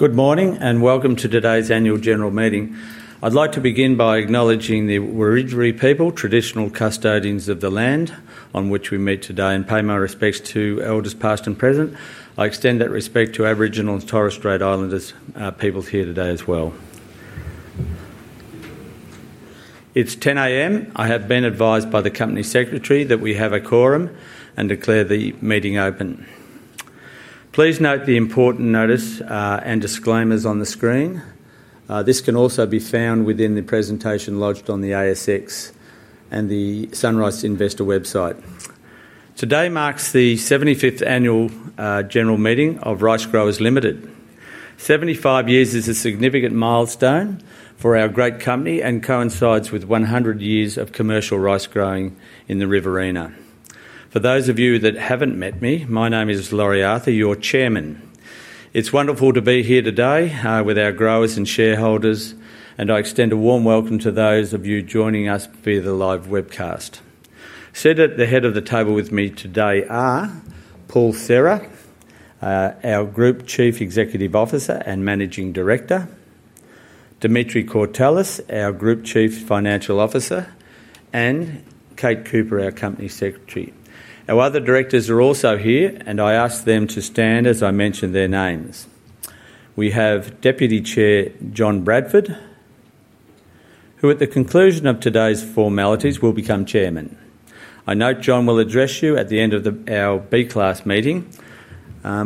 Good morning and welcome to today's Annual General Meeting. I'd like to begin by acknowledging the Wiradjuri people, traditional custodians of the land on which we meet today and pay my respects to elders past and present. I extend that respect to Aboriginal and Torres Strait Islanders people here today as well. It's 10AM. I have been advised by the company secretary that we have a quorum and declare the meeting open. Please note the important notice and disclaimers on the screen. This can also be found within the presentation lodged on the ASX and the Sunrise Investor website. Today marks the seventy fifth Annual General Meeting of Rice Growers Limited. Seventy five years is a significant milestone for our great company and coincides with one hundred years of commercial rice growing in the Riverina. For those of you that haven't met me, my name is Laurie Arthur, your Chairman. It's wonderful to be here today with our growers and shareholders and I extend a warm welcome to those of you joining us via the live webcast. Said at the head of the table with me today are Paul Serra, our Group Chief Executive Officer and Managing Director Dimitri Cortellis, our Group Chief Financial Officer and Kate Cooper, our Company Secretary. Our other directors are also here and I ask them to stand as I mentioned their names. We have Deputy Chair, John Bradford, who at the conclusion of today's formalities will become Chairman. I note John will address you at the end of our B class meeting.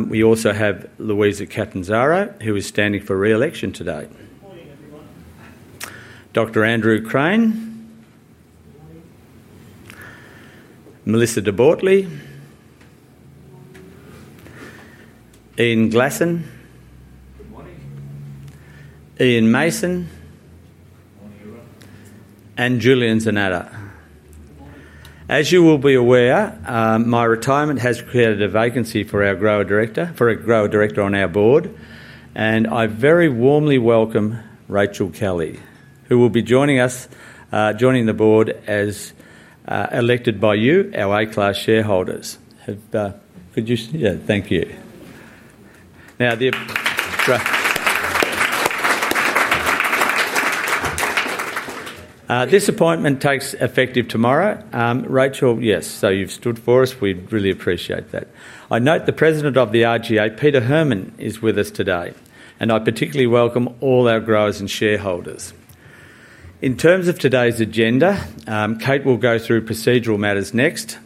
We also have Louisa Catanzaro, who is standing for reelection today. Doctor Andrew Crane, Melissa DeBortley, Ian Glassen, Ian Mason, Good morning, Eora. And Julian Zanata. Good morning. As you will be aware, my retirement has created a vacancy for our grower director for a grower director on our board. And I very warmly welcome Rachel Kelly, who will be joining us, joining the board as, elected by you, our A Class shareholders. Thank you. This appointment takes effective tomorrow. Rachel, yes, so you've stood for us. We'd really appreciate that. I note the president of the RGA, Peter Herman is with us today. And I particularly welcome all our growers and shareholders. In terms of today's agenda, Kate will go through procedural matters next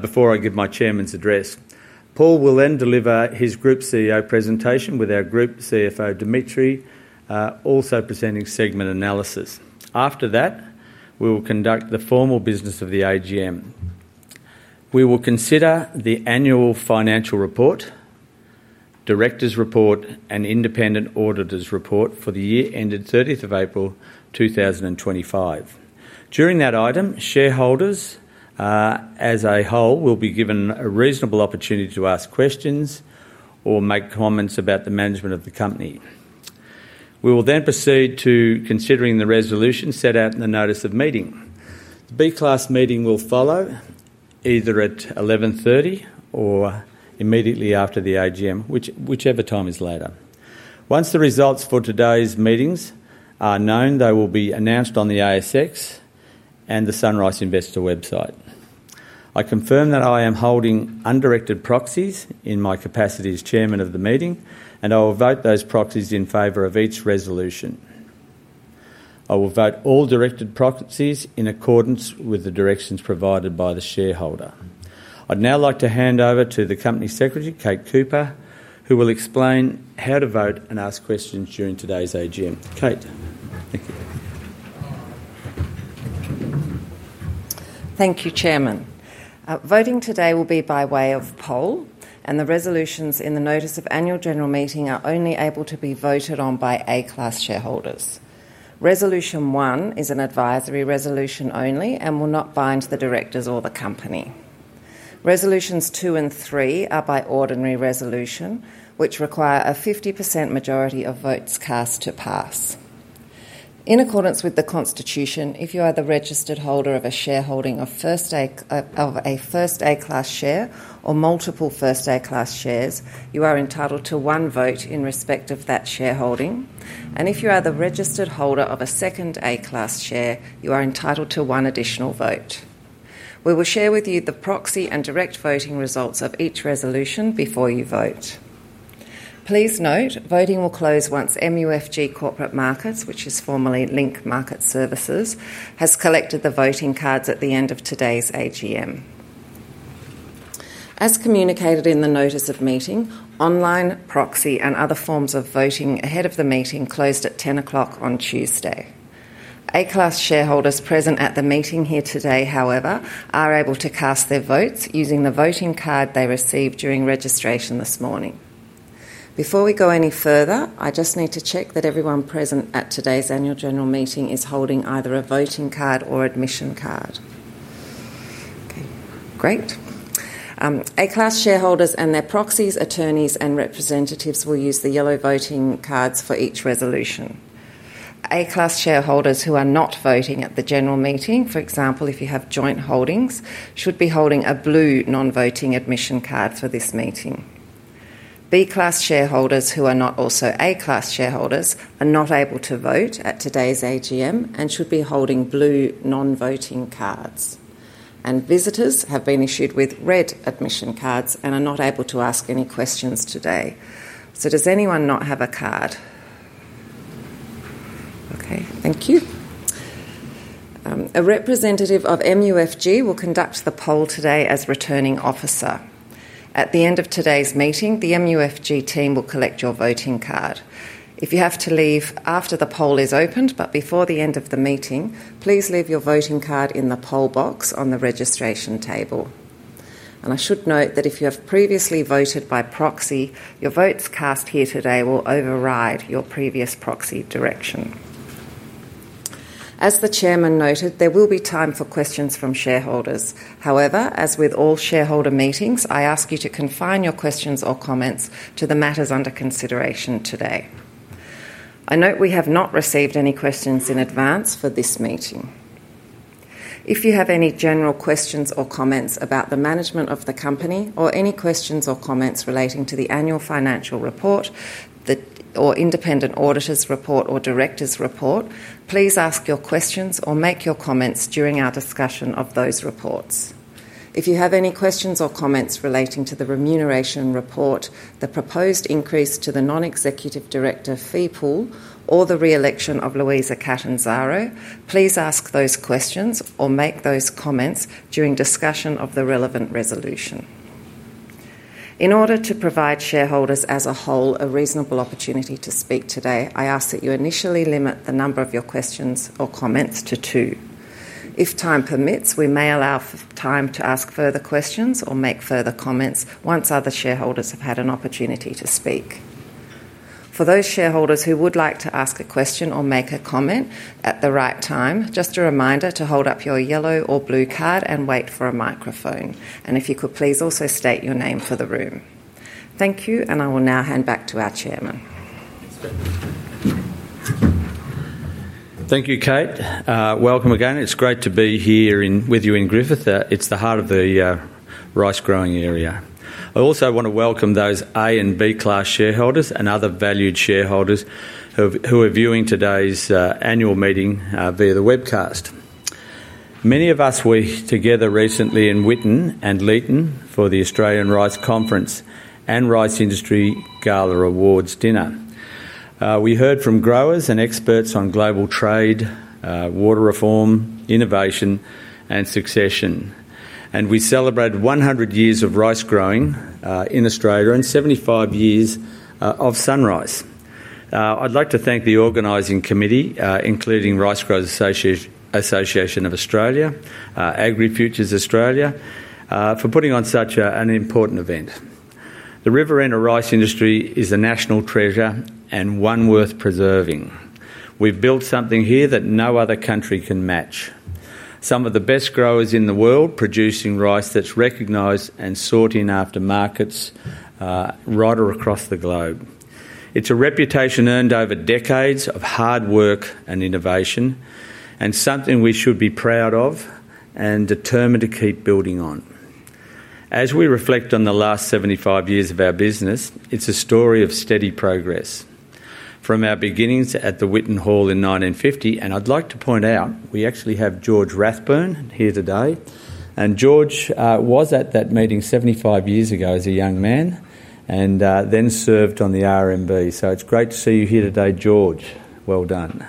before I give my Chairman's address. Paul will then deliver his group CEO presentation with our group CFO, Dmitry, also presenting segment analysis. After that, we will conduct the formal business of the AGM. We will consider the annual financial report, directors report and independent auditors report for the year ended 04/30/2025. During that item, shareholders as a whole will be given a reasonable opportunity to ask questions or make comments about the management of the company. We will then proceed to considering the resolution set out in the notice of meeting. The B class meeting will follow either at 11:30 or immediately after the AGM, whichever time is later. Once the results for today's meetings are known, they will be announced on the ASX and the Sunrise Investor website. I confirm that I am holding undirected proxies in my capacity as Chairman of the meeting and I will vote those proxies in favor of each resolution. I will vote all directed proxies in accordance with the directions provided by the shareholder. I'd now like to hand over to the company's secretary, Kate Cooper, who will explain how to vote and ask questions during today's AGM. Kate? Thank you, Chairman. Voting today will be by way of poll and the resolutions in the notice of annual general meeting are only able to be voted on by A Class shareholders. Resolution one is an advisory resolution only and will not bind to the directors or the company. Resolutions two and three are by ordinary resolution, which require a 50 majority of votes cast to pass. In accordance with the constitution, if you are the registered holder of a shareholding of a First A Class share or multiple first A Class shares, you are entitled to one vote in respect of that shareholding. And if you are the registered holder of a second A Class share, you are entitled to one additional vote. We will share with you the proxy and direct voting results of each resolution before you vote. Please note, voting will close once MUFG Corporate Markets, which is formerly Link Market Services, has collected the voting cards at the end of today's AGM. As communicated in the notice of meeting, online proxy and other forms of voting ahead of the meeting closed at 10:00 on Tuesday. A Class shareholders present at the meeting here today, however, are able to cast their votes using the voting card they received during registration this morning. Before we go any further, I just need to check that everyone present at today's Annual General Meeting is holding either a voting card or admission card. Great. A class shareholders and their proxies, attorneys and representatives will use the yellow voting cards for each resolution. A class shareholders who are not voting at the general meeting, for example, if you have joint holdings, should be holding a blue nonvoting admission card for this meeting. B class shareholders who are not also A class shareholders are not able to vote at today's AGM and should be holding blue nonvoting cards. And visitors have been issued with red admission cards and are not able to ask any questions today. So does anyone not have a card? Okay. Thank you. A representative of MUFG will conduct the poll today as returning officer. At the end of today's meeting, the MUFG team will collect your voting card. If you have to leave after the poll is opened but before the end of the meeting, please leave your voting card in the poll box on the registration table. And I should note that if you have previously voted by proxy, your votes cast here today will override your previous proxy direction. As the Chairman noted, there will be time for questions from shareholders. However, as with all shareholder meetings, I ask you to confine your questions or comments to the matters under consideration today. I note we have not received any questions in advance for this meeting. If you have any general questions or comments about the management of the company or any questions or comments relating to the annual financial report or independent auditor's report or director's report, please ask your questions or make your comments during our discussion of those reports. If you have any questions or comments relating to the remuneration report, the proposed increase to the non executive director fee pool or the reelection of Louisa Catanzaro, please ask those questions or make those comments during discussion of the relevant resolution. In order to provide shareholders as a whole a reasonable opportunity to speak today, I ask that you initially limit the number of your questions or comments to two. If time permits, we may allow time to ask further questions or make further comments once other shareholders have had an opportunity to speak. For those shareholders who would like to ask a question or make a comment at the right time, just a reminder to hold up your yellow or blue card and wait for a microphone. And if you could please also state your name for the room. Thank you. And I will now hand back to our Chairman. Thank you, Kate. Welcome again. It's great to be here with you in Griffith. It's the heart of the rice growing area. Also want to welcome those A and B class shareholders and other valued shareholders who are viewing today's annual meeting via the webcast. Many of us were together recently in Witten and Leeton for the Australian Rice Conference and Rice Industry Gala Awards dinner. We heard from growers and experts on global trade, water reform, innovation and succession. And we celebrated one hundred years of rice growing in Australia and seventy five years of sunrise. I'd like to thank the organizing committee including Rice Growers Association of Australia, Agri Futures Australia for putting on such an important event. The Riverina rice industry is a national treasure and one worth preserving. We've built something here that no other country can match. Some of the best growers in the world producing rice that's recognized and sorting after markets right across the globe. It's a reputation earned over decades of hard work and innovation and something we should be proud of and determined to keep building on. As we reflect on the last seventy five years of our business, it's a story of steady progress. From our beginnings at the Witten Hall in 1950 and I'd like to point out we actually have George Rathburn here today. And George was at that meeting seventy five years ago as a young man and then served on the RMV. So it's great to see you here today, George. Well done.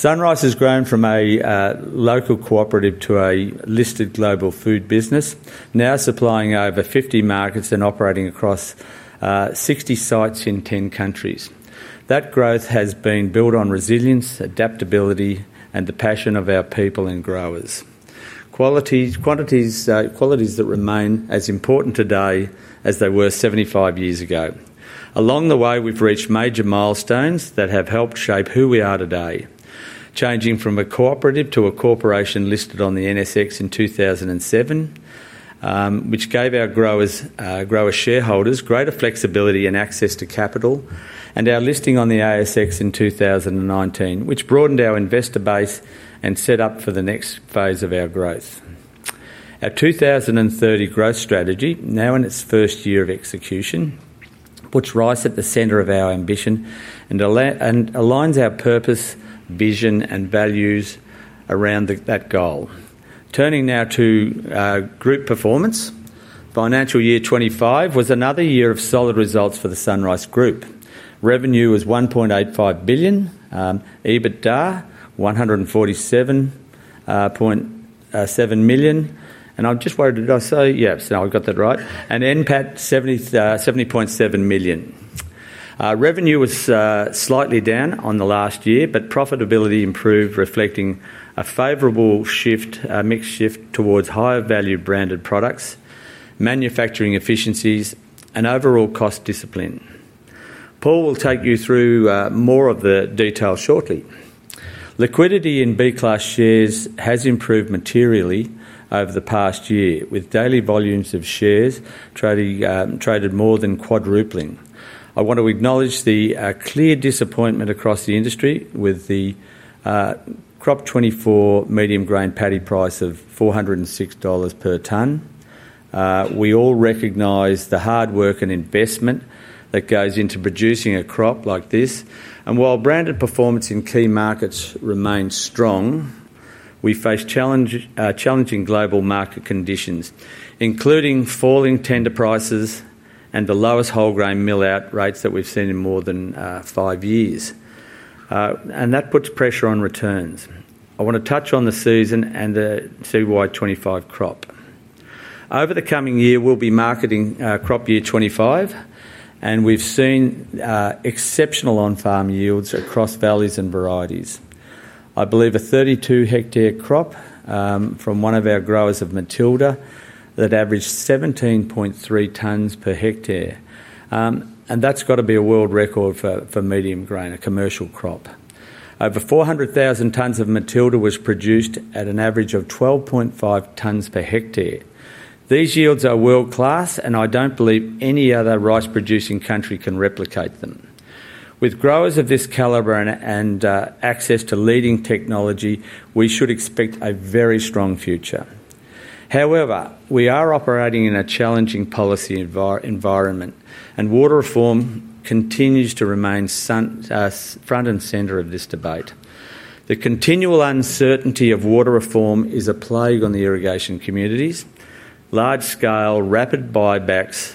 Sunrise has grown from a local cooperative to a listed global food business, now supplying over 50 markets and operating across 60 sites in 10 countries. That growth has been built on resilience, adaptability and the passion of our people and growers. Qualities that remain as important today as they were seventy five years ago. Along the way, we've reached major milestones that have helped shape who we are today. Changing from a cooperative to a corporation listed on the NSX in 2,007, which gave our grower shareholders greater flexibility and access to capital and our listing on the ASX in 2019 which broadened our investor base and set up for the next phase of our growth. At 2030 growth strategy, now in its first year of execution, puts Rice at the center of our ambition and aligns our purpose, vision and values around that goal. Turning now to group performance. Financial year '25 was another year of solid results for the Sunrise Group. Revenue was 1,850,000,000.00, EBITDA $147,700,000 And I'm just worried, did I say yes, now I've got that right. And NPAT $70,700,000 Revenue was slightly down on the last year, but profitability improved reflecting a favorable shift mix shift towards higher value branded products, manufacturing efficiencies and overall cost discipline. Paul will take you through more of the detail shortly. Liquidity in B class shares has improved materially over the past year with daily volumes of shares traded more than quadrupling. I want to acknowledge the clear disappointment across the industry with the crop 24 medium grain patty price of $4.00 $6 per tonne. We all recognize the hard work and investment that goes into producing a crop like this. And while branded performance in key markets remain strong, we face challenging global market conditions including falling tender prices and the lowest whole grain mill out rates that we've seen in more than five years. And that puts pressure on returns. I want to touch on the season and CY '25 crop. Over the coming year, we'll be marketing crop year '25 and we've exceptional on farm yields across valleys and varieties. I believe a 32 hectare crop from one of our growers of Matilda that averaged 17.3 tons per hectare. And that's got to be a world record for medium grain, a commercial crop. Over 400,000 tonnes of Matilda was produced at an average of 12.5 tonnes per hectare. These yields are world class and I don't believe any other rice producing country can replicate them. With growers of this caliber and access to leading technology, we should expect a very strong future. However, we are operating in a challenging policy environment and water reform continues to remain front and center of this debate. The continual uncertainty of water reform is a plague on the irrigation communities. Large scale rapid buybacks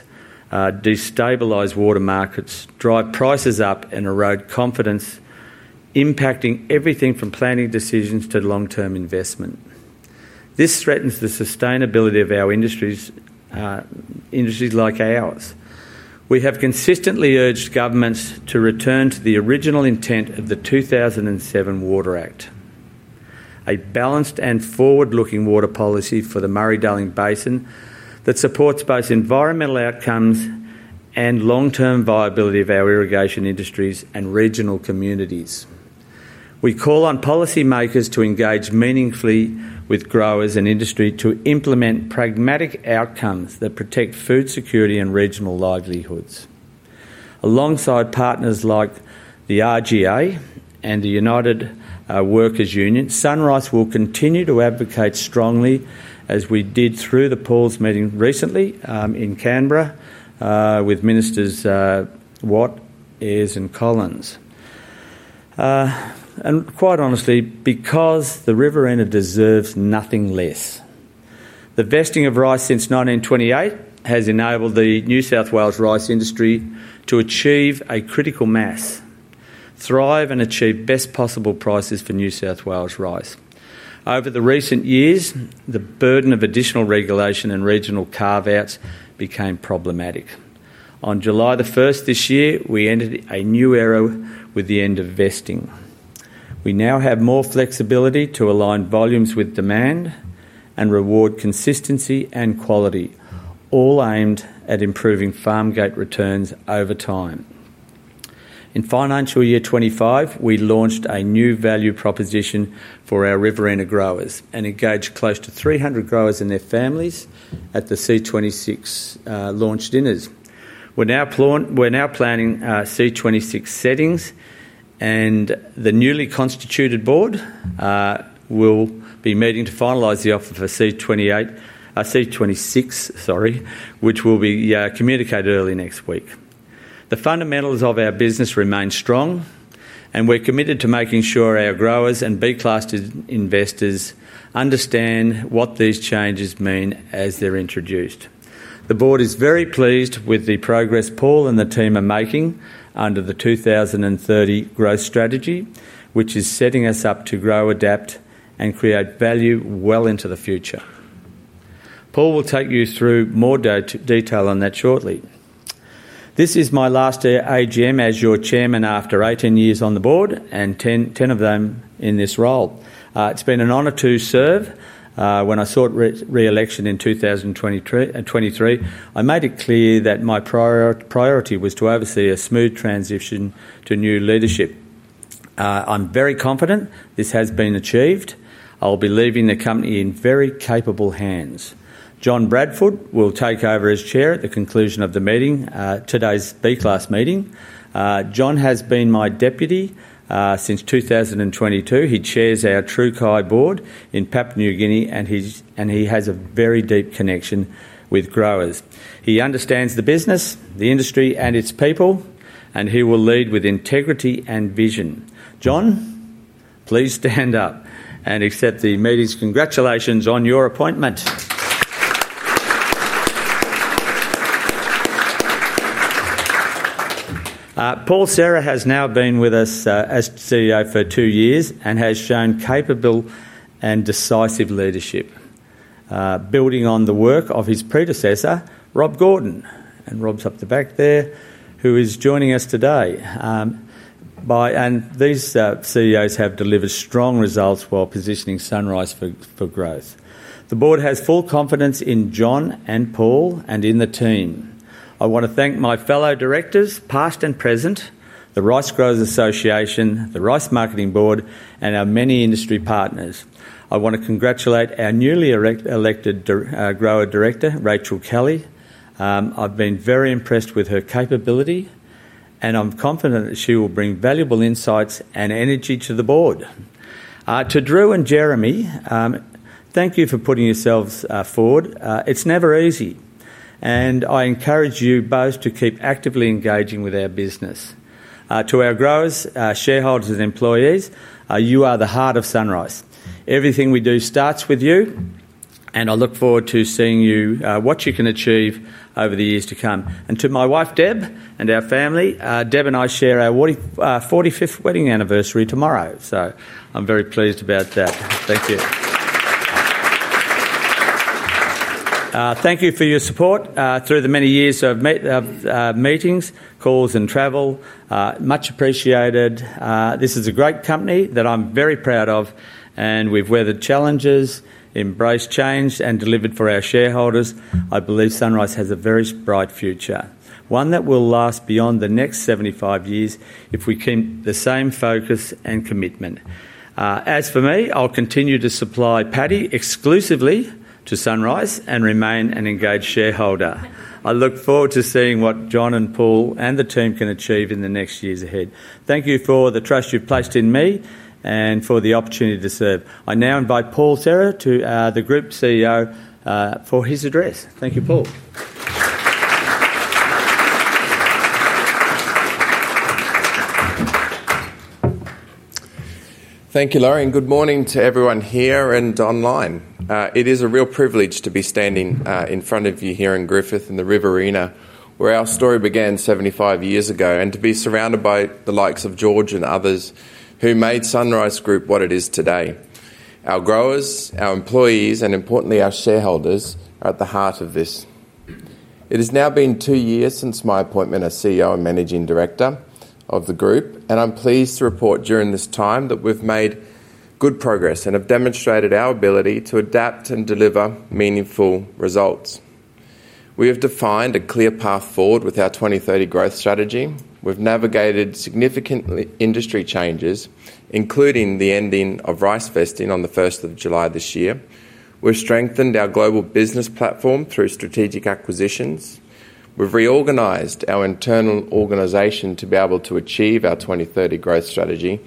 destabilize water markets drive prices up and erode confidence impacting everything from planning decisions to long term investment. This threatens the sustainability of our industries industries like ours. We have consistently urged governments to return to the original intent of the 2007 Water Act. A balanced and forward looking water policy for the Murray Darling Basin that supports both environmental outcomes and long term viability of our irrigation industries and regional communities. We call on policymakers to engage meaningfully with growers and industry to implement pragmatic outcomes that protect food security and regional livelihoods. Alongside partners like the RGA and the United Workers Union, Sunrise will continue to advocate strongly as we did through the polls meeting recently in Canberra with ministers Watt, Ayers and Collins. And quite honestly, because the Riverina deserves nothing less. The vesting of rice since 1928 has enabled the New South Wales rice industry to achieve a critical mass, thrive and achieve best possible prices for New South Wales rice. Over the recent years, the burden of additional regulation and regional carve outs became problematic. On July 1 this year, we ended a new era with the end of vesting. We now have more flexibility to align volumes with demand and reward consistency and quality, all aimed at improving farm gate returns over time. In financial year '25, we launched a new value proposition for our Riverina growers and engaged close to 300 growers and their families at the C26 launch dinners. We're planning C26 settings and the newly constituted board will be meeting to finalize the offer for c28 c26, sorry, which will be communicated early next week. The fundamentals of our business remain strong and we're committed to making sure our growers and B class investors understand what these changes mean as they're introduced. The Board is very pleased with the progress Paul and the team are making under the 2030 growth strategy which is setting us up to grow, adapt and create value well into the future. Paul will take you through more detail on that shortly. This is my last AGM as your chairman after eighteen years on the board and ten ten of them in this role. It's been an honor to serve. When I sought reelection in 02/2023, I made it clear that my prior priority was to oversee a smooth transition to new leadership. I'm very confident this has been achieved. I'll be leaving the company in very capable hands. John Bradford will take over as chair at the conclusion of the meeting, today's b class meeting. John has been my deputy, since 2022. He chairs our True Kye board in Papua New Guinea and he's and he has a very deep connection with growers. He understands the business, the industry, and its people, and he will lead with integrity and vision. John, please stand up and accept the meeting's congratulations on your appointment. Paul Serra has now been with us as CEO for two years and has shown capable and decisive leadership, building on the work of his predecessor, Rob Gordon, and Rob's up the back there, who is joining us today. And these CEOs have delivered strong results while positioning Sunrise for growth. The board has full confidence in John and Paul and in the team. I want to thank my fellow directors past and present, the Rice Growers Association, the Rice Marketing Board and our many industry partners. I want to congratulate our newly elected grower director, Rachel Kelly. I've been very impressed with her capability and I'm confident that she will bring valuable insights and energy to the board. To Drew and Jeremy, thank you for putting yourselves forward. It's never easy and I encourage you both to keep actively engaging with our business. To our growers, shareholders and employees, you are the heart of Sunrise. Everything we do starts with you and I look forward to seeing you, what you can achieve over the years to come. And to my wife Deb and our family, Deb and I share our forty fifth wedding anniversary tomorrow. So I'm very pleased about that. Thank you. Thank you for your support through the many years of meetings, calls and travel. Much appreciated. This is a great company that I'm very proud of and we've weathered challenges, embraced change and delivered for our shareholders. I believe Sunrise has a very bright future. One that will last beyond the next seventy five years if we keep the same focus and commitment. As for me, I'll continue to supply Paddy exclusively to Sunrise and remain an engaged shareholder. I look forward to seeing what John and Paul and the team can achieve in the next years ahead. Thank you for the trust you've placed in me and for the opportunity to serve. I now invite Paul Theriagh to the Group CEO for his address. Thank you, Paul. Thank you, Larry, and good morning to everyone here and online. It is a real privilege to be standing in front of you here in Griffith in the Riverina, where our story began seventy five years ago and to be surrounded by the likes of George and others who made Sunrise Group what it is today. Our growers, our employees and importantly, our shareholders are at the heart of this. It has now been two years since my appointment as CEO and Managing Director of the group, and I'm pleased to report during this time that we've made good progress and have demonstrated our ability to adapt and deliver meaningful results. We have defined a clear path forward with our 2030 growth strategy. We've navigated significant industry changes, including the ending of rice festing on the July 1 this year. We've strengthened our global business platform through strategic acquisitions. We've reorganized our internal organization to be able to achieve our 2030 growth strategy.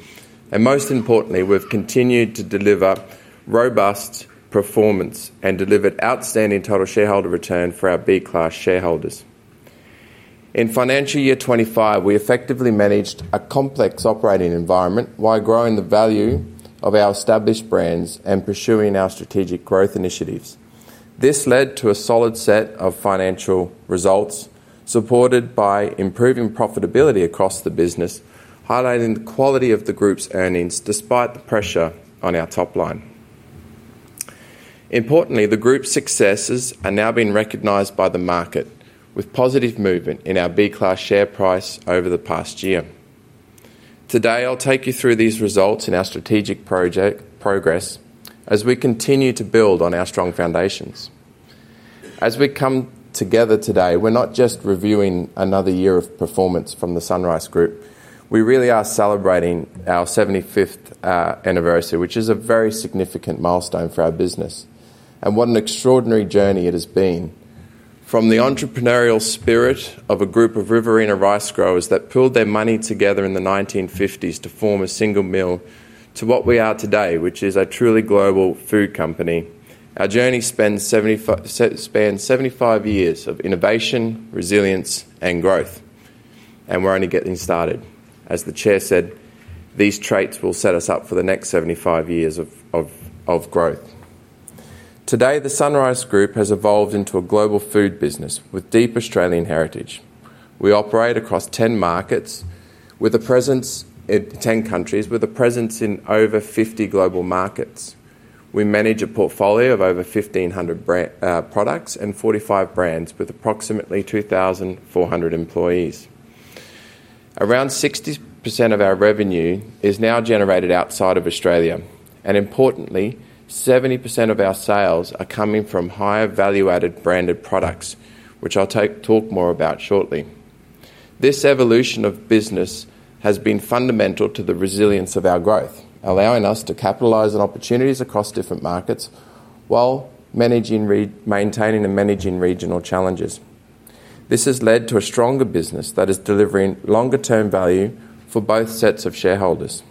And most importantly, we've continued to deliver robust performance and delivered outstanding total shareholder return for our B class shareholders. In financial year 2025, we effectively managed a complex operating environment while growing the value of our established brands and pursuing our strategic growth initiatives. This led to a solid set of financial results supported by improving profitability across the business, highlighting the quality of the group's earnings despite the pressure on our top line. Importantly, the group's successes are now being recognized by the market with positive movement in our B Class share price over the past year. Today, I'll take you through these results and our strategic progress as we continue to build on our strong foundations. As we come together today, we're not just reviewing another year of performance from the Sunrise Group, we really are celebrating our seventy fifth anniversary, which is a very significant milestone for our business. And what an extraordinary journey it has been. From the entrepreneurial spirit of a group of Riverina rice growers that pulled their money together in the 1950s to form a single meal to what we are today, which is a truly global food company. Our journey spans seventy five years of innovation, resilience and growth and we're only getting started. As the Chair said, these traits will set us up for the next seventy five years of growth. Today, the Sunrise Group has evolved into a global food business with deep Australian heritage. We operate across 10 markets with a presence 10 countries with a presence in over 50 global markets. We manage a portfolio of over 1,500 products and 45 brands with approximately 2,400 employees. Around 60% of our revenue is now generated outside of Australia. And importantly, 70% of our sales are coming from higher value added branded products, which I'll talk more about shortly. This evolution of business has been fundamental to the resilience of our growth, allowing us to capitalize on opportunities across different markets, while managing maintaining and managing regional challenges. This has led to a stronger business that is delivering longer term value for both sets of shareholders.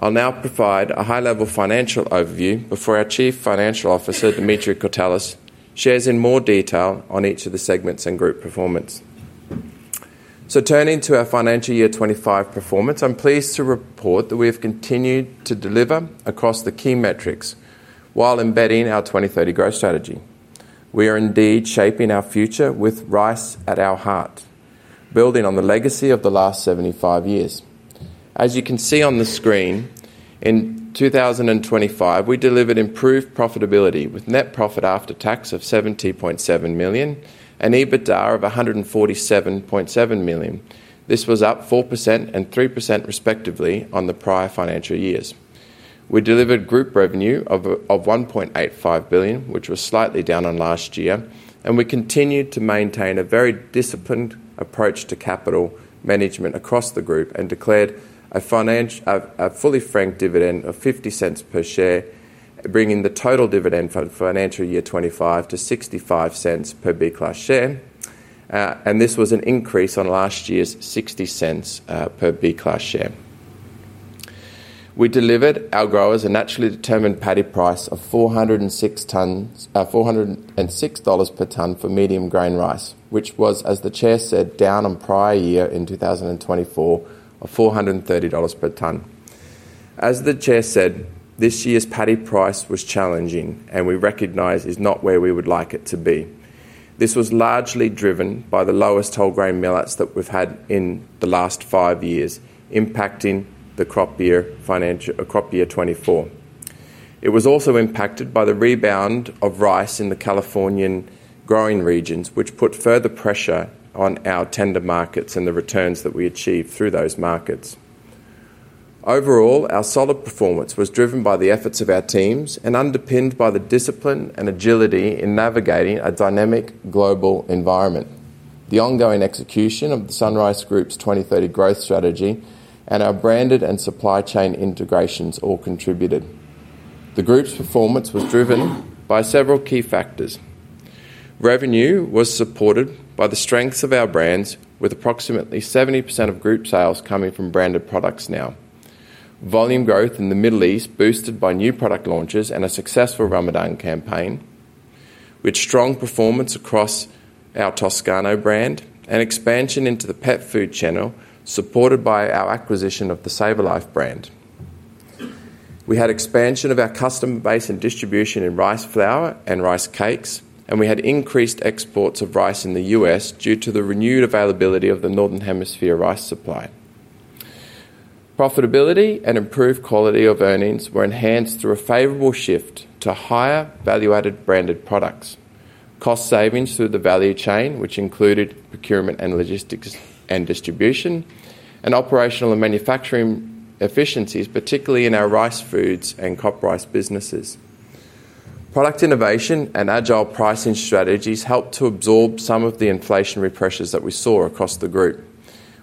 I'll now provide a high level financial overview before our Chief Financial Officer, Dmitry Cortellis shares in more detail on each of the segments and group performance. So turning to our financial year 2025 performance, I'm pleased to report that we have continued to deliver across the key metrics, while embedding our 2030 growth strategy. We are indeed shaping our future with Rice at our heart, building on the legacy of the last seventy five years. As you can see on the screen, in 2025, we delivered improved profitability with net profit after tax of $70,700,000 and EBITDA of $147,700,000 This was up 43% respectively on the prior financial years. We delivered group revenue of $1,850,000,000 which was slightly down on last year and we continue to maintain a very disciplined approach to capital management across the group and declared a fully franked dividend of $0.50 per share, bringing the total dividend for financial year 2025 to $0.65 per B class share, and this was an increase on last year's $0.60 per B Class share. We delivered our growers a naturally determined paddy price of $4.00 $6 per tonne for medium grain rice, which was, as the chair said, down on prior year in 2024 of $430 per tonne. As the chair said, this year's paddy price was challenging and we recognize is not where we would like it to be. This was largely driven by the lowest whole grain millets that we've had in the last five years impacting the crop year 2024. It was also impacted by the rebound of rice in the Californian growing regions, which put further pressure on our tender markets and the returns that we achieved through those markets. Overall, our solid performance was driven by the efforts of our teams and underpinned by the discipline and agility in navigating a dynamic global environment. The ongoing execution of Sunrise Group's 2030 growth strategy and our branded and supply chain integrations all contributed. The group's performance was driven by several key factors. Revenue was supported by the strengths of our brands with approximately 70 of group sales coming from branded products now. Volume growth in The Middle East boosted by new product launches and a successful Ramadan campaign with strong performance across our Toscano brand and expansion into the pet food channel supported by our acquisition of the SavorLife brand. We had expansion of our customer base and distribution in rice flour and rice cakes, and we had increased exports of rice in The U. S. Due to the renewed availability of the Northern Hemisphere rice supply. Profitability and improved quality of earnings were enhanced through a favorable shift to higher value added branded products. Cost savings through the value chain, which included procurement and logistics and distribution and operational and manufacturing efficiencies, particularly in our rice foods and copper rice businesses. Product innovation and agile pricing strategies helped to absorb some of the inflationary pressures that we saw across the group.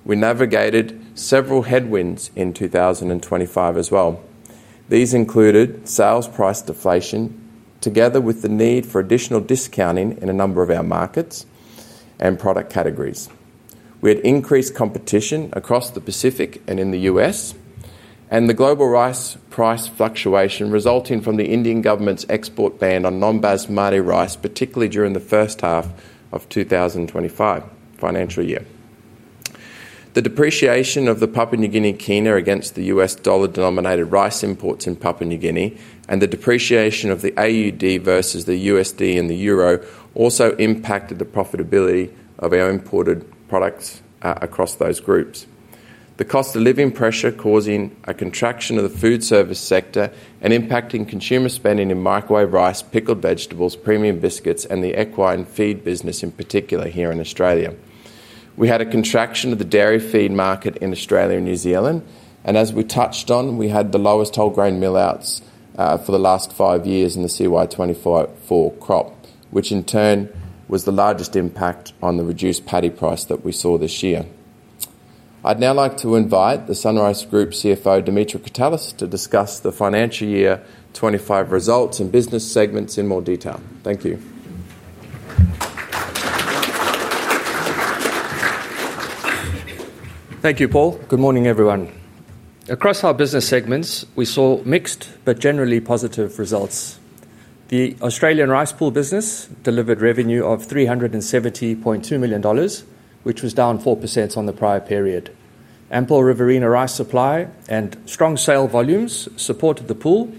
We navigated several headwinds in 2025 as well. These included sales price deflation together with the need for additional discounting in a number of our markets and product categories. We had increased competition across The Pacific and in The U. S. And the global rice price fluctuation resulting from the Indian government's export ban on Nombas Mahdi rice, particularly during the 2025 financial year. The depreciation of the Papua New Guinea Kiena against the U. S. Dollar denominated rice imports in Papua New Guinea and the depreciation of the AUD versus the USD and the euro also impacted the profitability of our imported products across those groups. The cost of living pressure causing a contraction of the foodservice sector and impacting consumer spending in microwave rice, pickled vegetables, premium biscuits and the equine feed business in particular here in Australia. We had a contraction of the dairy feed market in Australia and New Zealand. And as we touched on, we had the lowest whole grain mill outs for the last five years in the CY244 crop, which in turn was the largest impact on the reduced patty price that we saw this year. I'd now like to invite the Sunrise Group CFO, Dmitry Kotales to discuss the financial year 2025 results and business segments in more detail. Thank you. Thank you, Paul. Good morning, everyone. Across our business segments, we saw mixed but generally positive results. The Australian rice pool business delivered revenue of 3 and $70,200,000 which was down 4% on the prior period. Ample Riverina rice supply and strong sale volumes supported the pool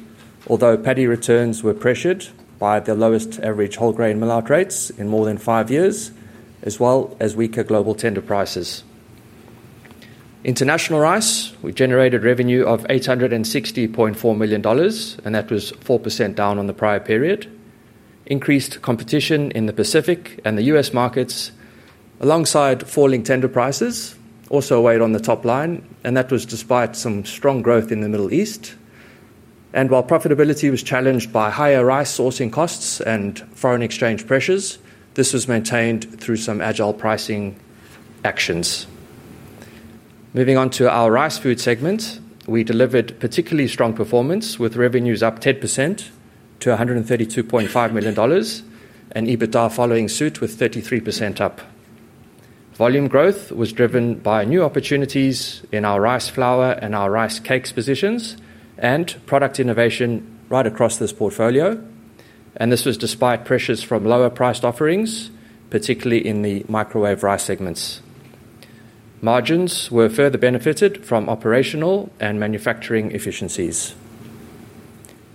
although paddy returns were pressured by the lowest average whole grain mill out rates in more than five years as well as weaker global tender prices. International rice, we generated revenue of 8 and $60,400,000 and that was 4% down on the prior period. Increased competition in The Pacific and The U. S. Markets alongside falling tender prices also weighed on the top line and that was despite some strong growth in The Middle East. And while profitability was challenged by higher rice sourcing costs and foreign exchange pressures, this was maintained through some agile pricing actions. Moving on to our Rice Food segment, we delivered particularly strong performance with revenues up 10% to 132,500,000 and EBITDA following suit with 33% up. Volume growth was driven by new opportunities in our rice flour and our rice cakes positions and product innovation right across this portfolio and this was despite pressures from lower priced offerings particularly in the microwave rice segments. Margins were further benefited from operational and manufacturing efficiencies.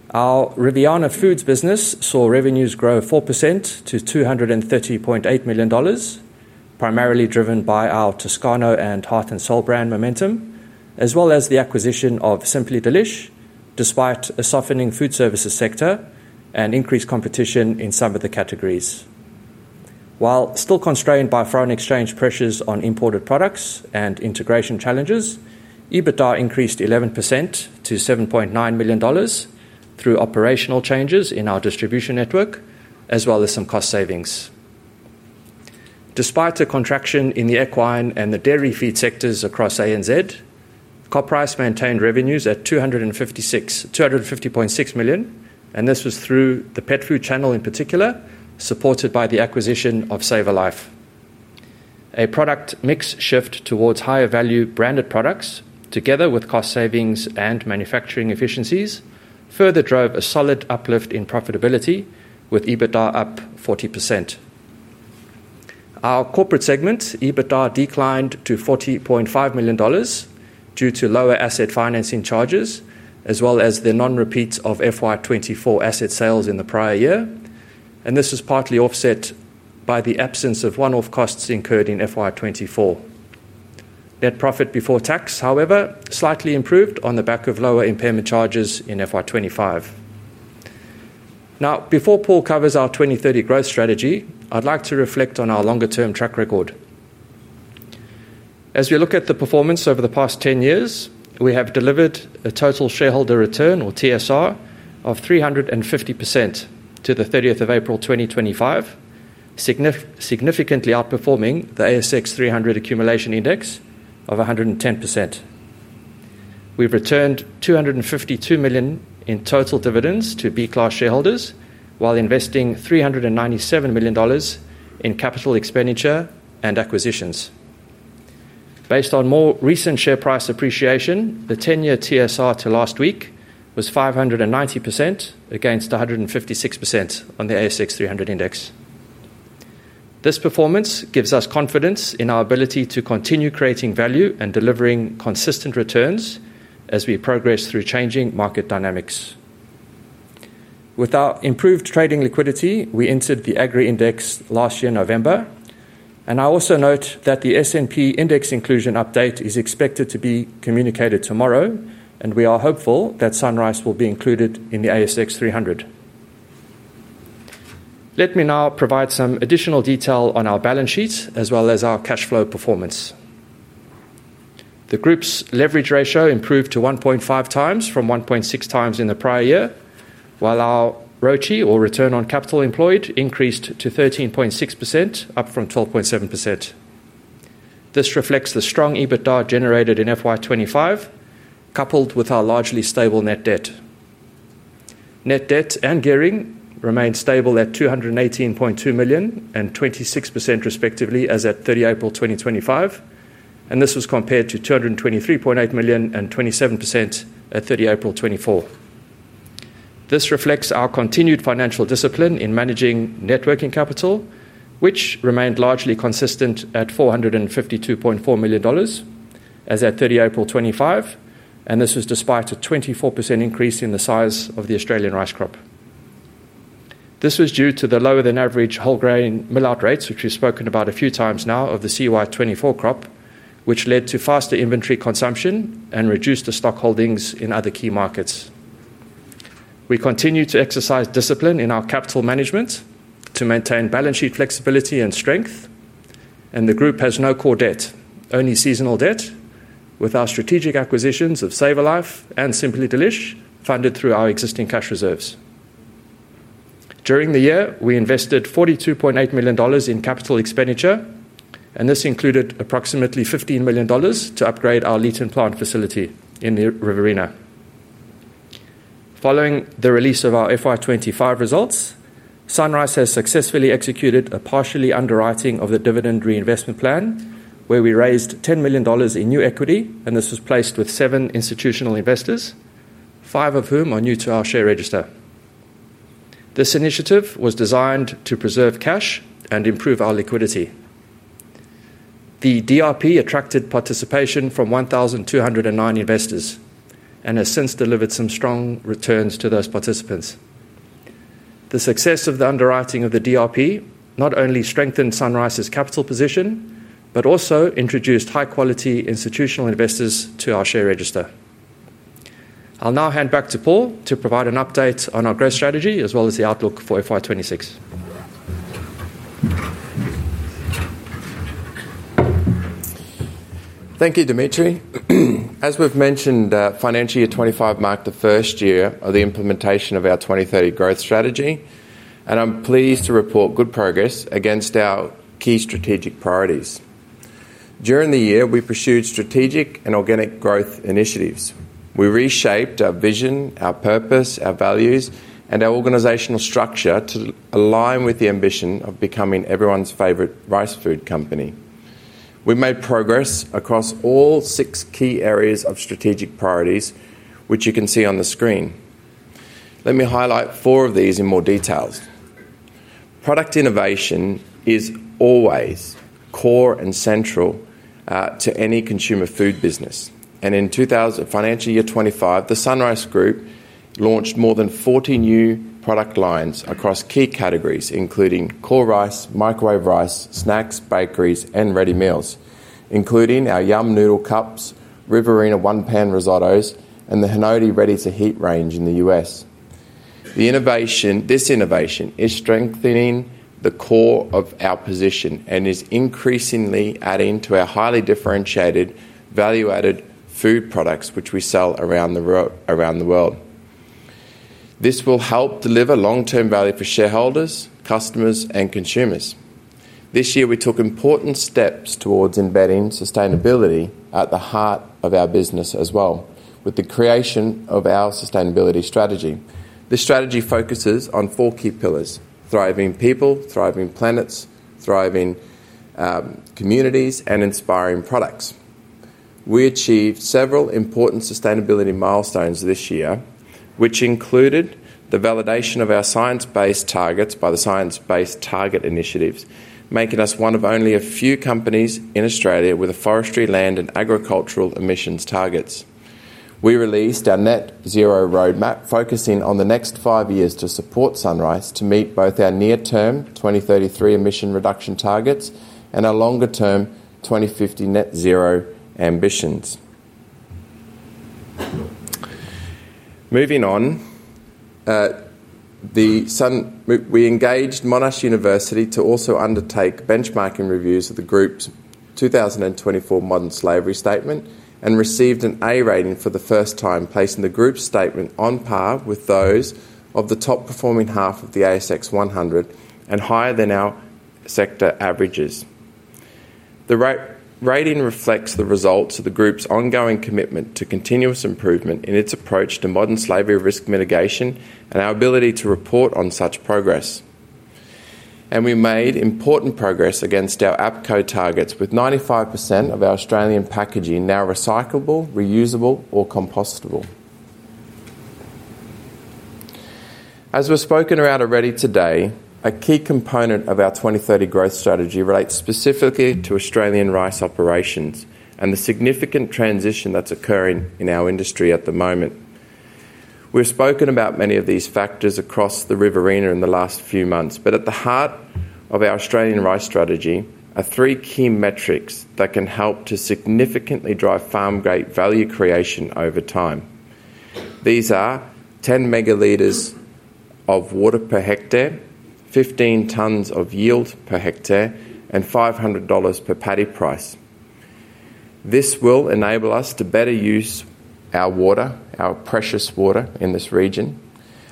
Our Rubiana Foods business saw revenues grow 4% to $230,800,000 primarily driven by our Toscano and Heart and Soul brand momentum, as well as the acquisition of Simply Delish despite a softening food services sector and increased competition in some of the categories. While still constrained by foreign exchange pressures on imported products and integration challenges, EBITDA increased 11% to 7.9 million dollars through operational changes in our distribution network as well as some cost savings. Despite the contraction in the equine and the dairy feed sectors across ANZ, Coprace maintained revenues at $150,600,000 and this was through the pet food channel in particular supported by the acquisition of Save A Life. A product mix shift towards higher value branded products, together with cost savings and manufacturing efficiencies, further drove a solid uplift in profitability with EBITDA up 40%. Our corporate segment EBITDA declined to 40.5 million dollars due to lower asset financing charges as well as the non repeat of FY24 asset sales in the prior year And this is partly offset by the absence of one off costs incurred in FY24. Net profit before tax however, slightly improved on the back of lower impairment charges in FY25. Now before Paul covers our 2030 growth strategy, I'd like to reflect on our longer term track record. As we look at the performance over the past ten years, we have delivered a total shareholder return or TSR of 350% to the 04/30/2025, significantly outperforming the ASX three hundred accumulation index of 110%. We've returned million in total dividends to B class shareholders while investing 397 million dollars in capital expenditure and acquisitions. Based on more recent share price appreciation, the ten year TSR to last week was 590% against 156% on the ASX three hundred Index. This performance gives us confidence in our ability to continue creating value and delivering consistent returns as we progress through changing market dynamics. With our improved trading liquidity, we entered the Agri Index last year November. And I also note that the S and P index inclusion update is expected to be communicated tomorrow, and we are hopeful that Sunrise will be included in the ASX 300. Let me now provide some additional detail on our balance sheet as well as our cash flow performance. The group's leverage ratio improved to 1.5 times from 1.6 times in the prior year, while our ROCE or return on capital employed increased to 13.6% up from 12.7%. This reflects the strong EBITDA generated in FY 2025 coupled with our largely stable net debt. Net debt and gearing remained stable at NZ218.2 million and twenty six percent respectively as at thirty April twenty twenty five and this was compared to $223,800,000 and 27% at thirty April twenty twenty four. This reflects our continued financial discipline in managing net working capital, which remained largely consistent at 452,400,000 as at thirty April twenty five, and this was despite a 24% increase in the size of the Australian rice crop. This was due to the lower than average whole grain mill out rates, which we've spoken about a few times now of the CY24 crop, which led to faster inventory consumption and reduced the stock holdings in other key markets. We continue to exercise discipline in our capital management to maintain balance sheet flexibility and strength, and the group has no core debt, only seasonal debt with our strategic acquisitions of Save A Life and Simply Delish funded through our existing cash reserves. During the year, we invested $42,800,000 in capital expenditure and this included approximately $15,000,000 to upgrade our Leyton plant facility in the Riverina. Following the release of our FY twenty twenty five results, Sunrise has successfully executed a partially underwriting of the dividend reinvestment plan where we raised $10,000,000 in new equity and this was placed with seven institutional investors, five of whom are new to our share register. This initiative was designed to preserve cash and improve our liquidity. The DRP attracted participation from twelve oh nine investors and has since delivered some strong returns to those participants. The success of the underwriting of the DRP not only strengthened Sunrise's capital position, but also introduced high quality institutional investors to our share register. I'll now hand back to Paul to provide an update on our growth strategy as well as the outlook for FY 2026. Thank you, Dimitri. As we've mentioned, financial year 2025 marked the first year of the implementation of our 2030 growth strategy. And I'm pleased to report good progress against our key strategic priorities. During the year, we pursued strategic and organic growth initiatives. We reshaped our vision, our purpose, our values and our organizational structure to align with the ambition of becoming everyone's favorite rice food company. We've made progress across all six key areas of strategic priorities, which you can see on the screen. Let me highlight four of these in more details. Product innovation is always core and central to any consumer food business. And in financial year 2025, the Sunrise Group launched more than 40 new product lines across key categories, including core rice, microwave rice, snacks, bakeries and ready meals, including our Yum! Noodle Cups, Riverina One Pan Risottos and the Hinoti Ready to Heat range in The U. S. The innovation this innovation is strengthening the core of our position and is increasingly adding to our highly differentiated value added food products, which we sell around the world. This will help deliver long term value for shareholders, customers and consumers. This year, we took important steps towards embedding sustainability at the heart of our business as well with the creation of our sustainability strategy. This strategy focuses on four key pillars, thriving people, thriving planets, thriving, communities and inspiring products. We achieved several important sustainability milestones this year, which included the validation of our science based targets by the science based target initiatives, making us one of only a few companies in Australia with a forestry land agricultural emissions targets. We released our net zero roadmap focusing on the next five years to support Sunrise to meet both our near term 2033 emission reduction targets and our longer term 2050 net zero ambitions. Moving on, we engaged Monash University to also undertake benchmarking reviews of the group's 2024 Modern Slavery statement and received an A rating for the first time placing the group statement on par with those of the top performing half of the ASX 100 and higher than our sector averages. The rating reflects the results of the group's ongoing commitment to continuous improvement in its approach to modern slavery risk mitigation and our ability to report on such progress. And we made important progress against our AP Co targets with 95% of our Australian packaging now recyclable, reusable or compostable. As we've spoken around already today, a key component of our 2030 and growth strategy relates specifically to Australian rice operations and the significant transition that's occurring in our industry at the moment. We've spoken about many of these factors across the Riverina in the last few months, but at the heart of our Australian rice strategy are three key metrics that can help to significantly drive farm grade value creation over time. These are 10 megaliters of water per hectare, 15 tons of yield per hectare and $500 per patty price. This will enable us to better use our water, our precious water in this region,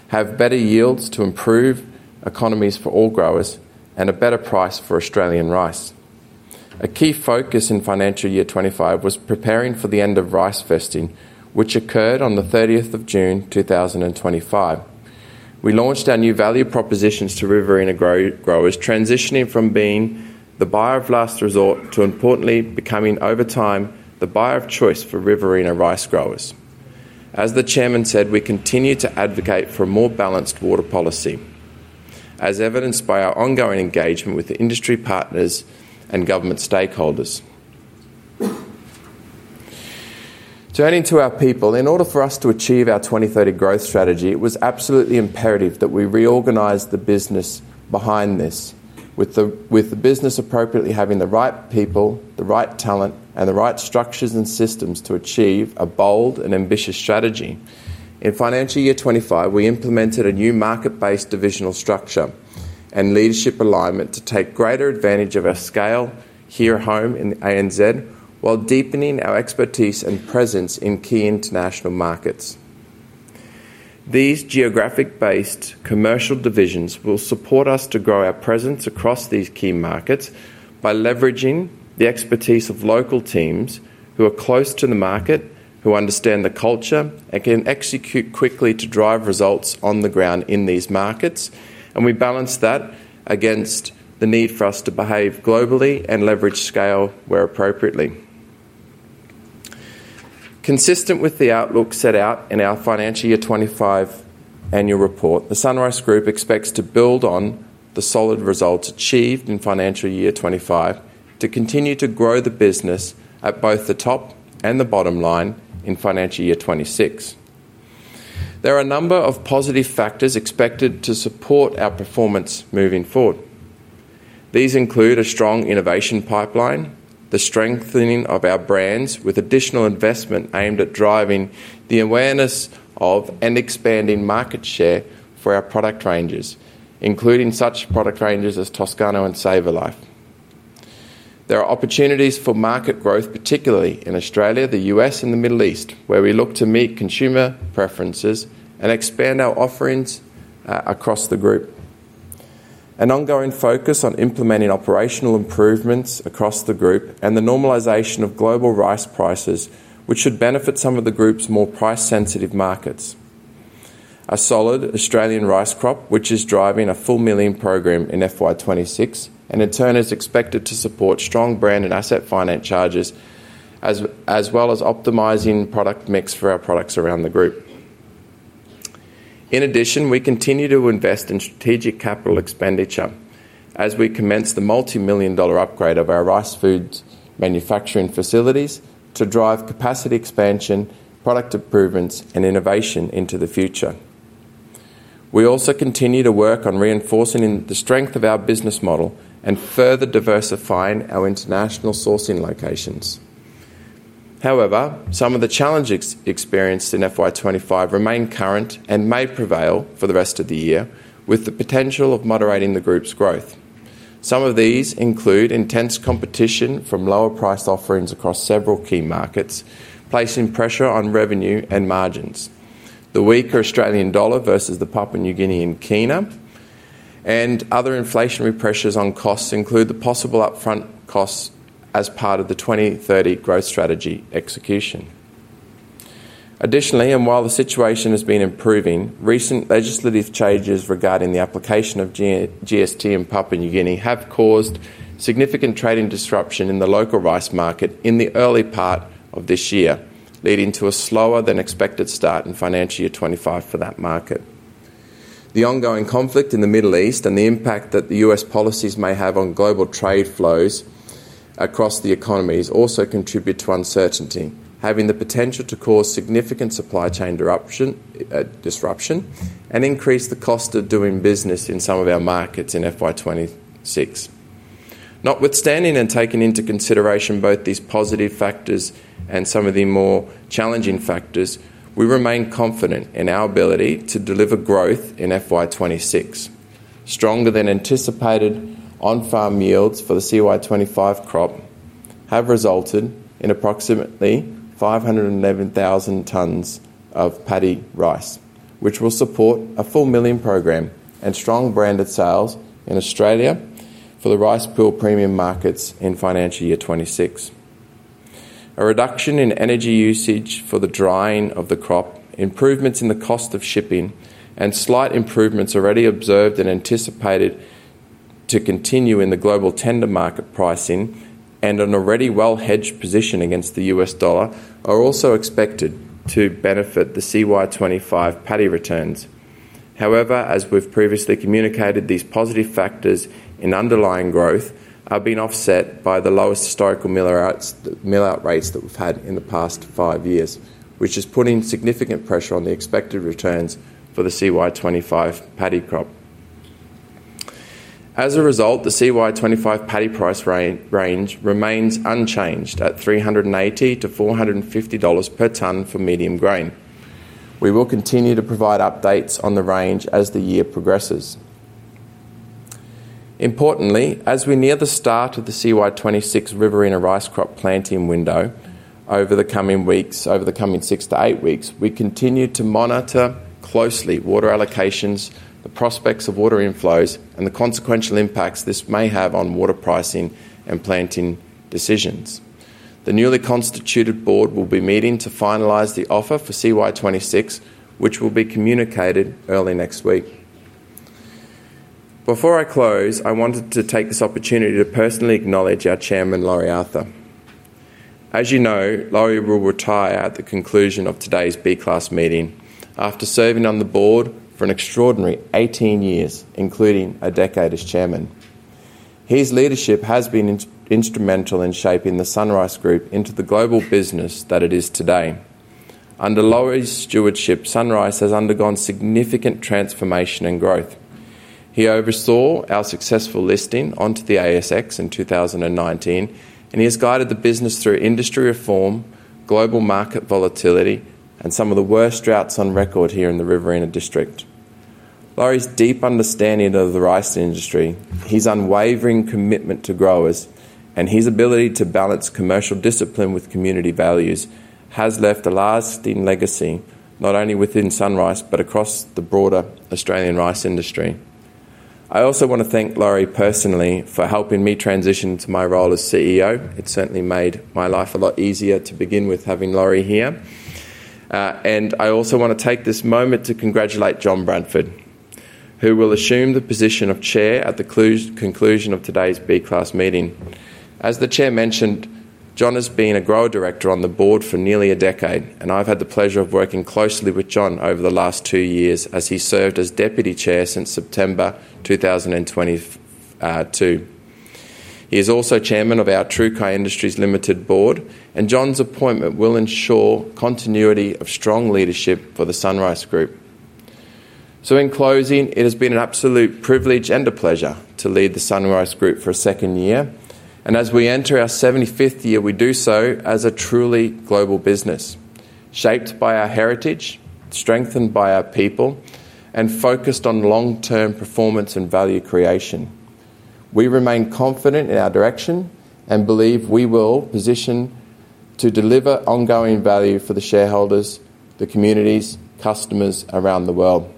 have better yields to improve economies for all growers and a better price for Australian rice. A key focus in financial year 2025 was preparing for the end of rice festing, which occurred on the 06/30/2025. We launched our new value propositions to Riverina growers transitioning from being the buyer of last resort to importantly becoming over time the buyer of choice for Riverina rice growers. As the Chairman said, we continue to advocate for more balanced water policy, as evidenced by our ongoing engagement with the industry partners and government stakeholders. Turning to our people. In order for us to achieve our 2030 growth strategy, it was absolutely imperative that we reorganize the business behind this with the with the business appropriately having the right people, the right talent, and the right structures and systems to achieve a bold and ambitious strategy. In financial year 2025, we implemented a new market based divisional structure and leadership alignment to take greater advantage of our scale, Here Home and ANZ, while deepening our expertise and presence in key international markets. These geographic based commercial divisions will support us to grow our presence across these key markets by leveraging the expertise of local teams who are close to the market, who understand the culture and can execute quickly to drive results on the ground in these markets. And we balance that against the need for us to behave globally and leverage scale where appropriately. Consistent with the outlook set out in our financial year twenty twenty five annual report, the Sunrise Group expects to build on the solid results achieved in financial year twenty twenty five to continue to grow the business at both the top and the bottom line in financial year 2026. There are a number of positive factors expected to support our performance moving forward. These include a strong innovation pipeline, the strengthening of our brands with additional investment aimed at driving the awareness of and expanding market share for our product ranges, including such product ranges as Toscano and SaverLife. There are opportunities for market growth, particularly in Australia, The U. S. And The Middle East, where we look to meet consumer preferences and expand our offerings across the group. An ongoing focus on implementing operational improvements across the group and the normalization of global rice prices, which should benefit some of the group's more price sensitive markets. A solid Australian rice crop, which is driving a full milling program in FY 2026 and in turn is expected to support strong brand and asset finance charges as well as optimizing product mix for our products around the group. In addition, we continue to invest in strategic capital expenditure as we commence the multimillion dollar upgrade of our rice foods manufacturing facilities to drive capacity expansion, product improvements and innovation into the future. We also continue to work on reinforcing the strength of our business model and further diversifying our international sourcing locations. However, some of the challenges experienced in FY 2025 remain current and may prevail for the rest of the year with the potential of moderating the group's growth. Some of these include intense competition from lower priced offerings across several key markets, placing pressure on revenue and margins. The weaker Australian dollar versus the Papua New Guinea and Kiena and other inflationary pressures on costs include the possible upfront costs as part of the 2030 growth strategy execution. Additionally, and while the situation has been improving, recent legislative changes regarding the application of GST and Papua New Guinea have caused significant trading disruption in the local rice market in the early part of this year, leading to a slower than expected start in financial year 2025 for that market. The ongoing conflict in The Middle East and the impact that The U. S. Policies may have on global trade flows across the economies also contribute to uncertainty, having the potential to cause significant supply chain disruption and increase the cost of doing business in some of our markets in FY 2026. Notwithstanding and taking into consideration both these positive factors and some of the more challenging factors, we remain confident in our ability to deliver growth in FY 2026. Stronger than anticipated on farm yields for the CY 2025 crop have resulted in approximately 511,000 tonnes of Paddy rice, which will support a full million program and strong branded sales in Australia for the rice pool premium markets in financial year 2026. A reduction in energy usage for the drying of the crop, improvements in the cost of shipping and slight improvements already observed and anticipated to continue in the global tender market pricing and an already well hedged position against the U. S. Dollar are also expected to benefit the CY25 patty returns. However, as we've previously communicated, these positive factors in underlying growth are being offset by the lowest historical mill out rates that we've had in the past five years, which is putting significant pressure on the expected returns for the CY25 patty crop. As a result, the CY25 patty price range remains unchanged at $380 to $450 per tonne for medium grain. We will continue to provide updates on the range as the year progresses. Importantly, as we near the start of the CY 26 Riverina rice crop planting window over the coming weeks over the coming six to eight weeks, we continue to monitor closely water allocations, the prospects of water inflows and the consequential impacts this may have on water pricing and planting decisions. The newly constituted Board will be meeting to finalize the offer for CY '26, which will be communicated early next week. Before I close, I wanted to take this opportunity to personally acknowledge our Chairman, Laurie Arthur. As you know, Laurie will retire at the conclusion of today's B Class meeting after serving on the Board for an extraordinary eighteen years, including a decade as Chairman. His leadership has been instrumental in shaping the Sunrise Group into the global business that it is today. Under Laurie's stewardship, Sunrise has undergone significant transformation and growth. He oversaw our successful listing onto the ASX in 2019 and he has guided the business through industry reform, global market volatility and some of the worst droughts on record here in the Riverina District. Laurie's deep understanding of the rice industry, his unwavering commitment to growers and his ability to balance commercial discipline with community values has left a lasting legacy, not only within Sunrise, but across the broader Australian rice industry. I also want to thank Laurie personally for helping me transition to my role as CEO. It certainly made my life a lot easier to begin with having Laurie here. And I also want to take this moment to congratulate John Bradford, who will assume the position of Chair at the conclusion of today's B Class meeting. As the Chair mentioned, John has been a grower director on the board for nearly a decade, and I've had the pleasure of working closely with John over the last two years as he served as Deputy Chair since September 2022. He is also Chairman of our TrueCar Industries Limited Board, and John's appointment will ensure continuity of strong leadership for the Sunrise Group. So in closing, it has been an absolute privilege and a pleasure to lead the Sunrise Group for a second year. And as we enter our seventy fifth year, we do so as a truly global business, shaped by our heritage, strengthened by our people and focused on long term performance and value creation. We remain confident in our direction and believe we will position to deliver ongoing value for the shareholders, the communities, customers around the world.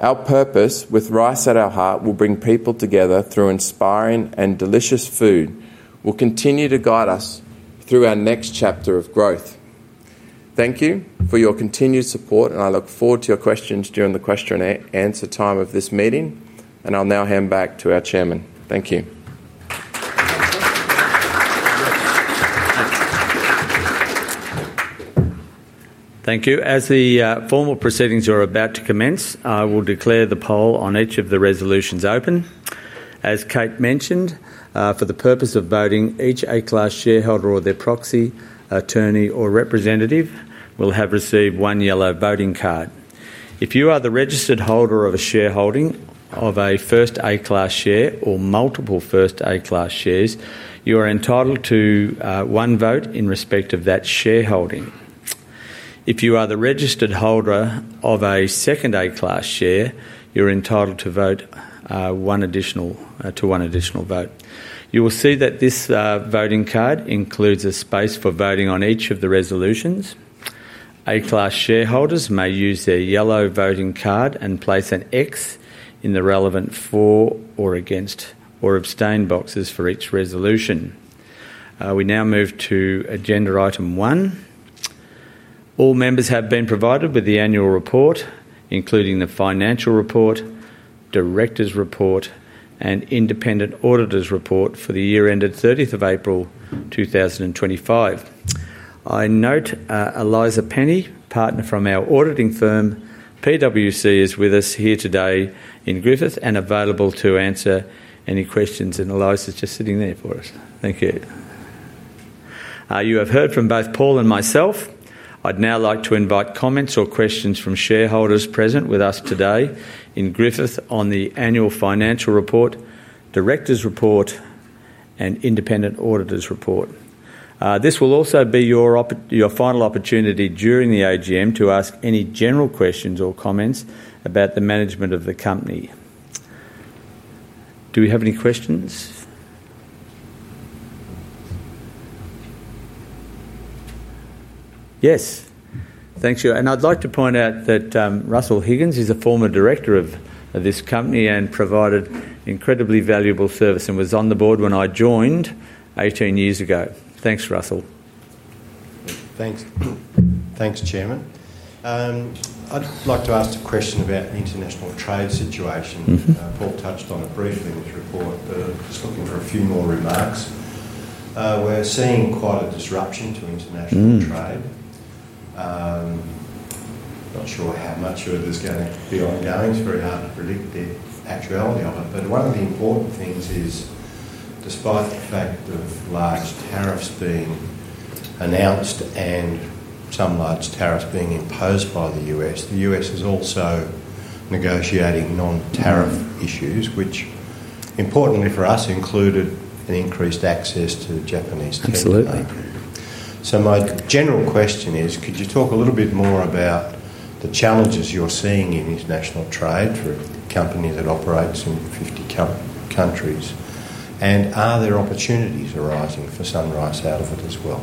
Our purpose with Rice at Our Heart will bring people together through inspiring and delicious food, will continue to guide us through our next chapter of growth. Thank you for your continued support, and I look forward to your questions during the question and answer time of this meeting. And I'll now hand back to our Chairman. Thank you. Thank you. As the formal proceedings are about to commence, I will declare the poll on each of the resolutions open. As Kate mentioned, for the purpose of voting each A Class shareholder or their proxy, attorney or representative will have received one yellow voting card. If you are the registered holder of a shareholding of a first A class share or multiple first A class shares, you are entitled to one vote in respect of that shareholding. If you are the registered holder of a second A class share, you're entitled to vote one additional to one additional vote. You will see that this voting card includes a space for voting on each of the resolutions. A class shareholders may use a yellow voting card and place an x in the relevant for or against or abstain boxes for each resolution. We now move to agenda item one. All members have been provided with the annual report including the financial report, directors report and independent auditors report for the year ended 04/30/2025. I note Eliza Penny, partner from our auditing firm PwC is with us here today in Griffith and available to answer any questions. And Eliza is just sitting there for us. Thank you. You have heard from both Paul and myself. I'd now like to invite comments or questions from shareholders present with us today in Griffith on the annual financial report, directors report and independent auditors report. This will also be your final opportunity during the AGM to ask any general questions or comments about the management of the company. Do we have any questions? Yes. Thanks, Joe. And I'd like to point out that Russell Higgins is a former director of this company and provided incredibly valuable service and was on the board when I joined eighteen years ago. Thanks Russell. Thanks, Chairman. I'd like to ask a question about the international trade situation. Paul touched on it briefly in his report, but just looking for a few more remarks. We're seeing quite a disruption to international trade. I'm not sure how much of it is going to be ongoing. It's very hard to predict But one of the important things is, despite the fact of large tariffs being announced and some large tariffs being imposed by The US, The US is also negotiating non tariff issues, which, importantly for us, included the increased access to Japanese tariffs. Absolutely. So my general question is, could you talk a little bit more about the challenges you're seeing in international trade for a company that operates in 50 countries? And are there opportunities arising for Sunrise out of it as well?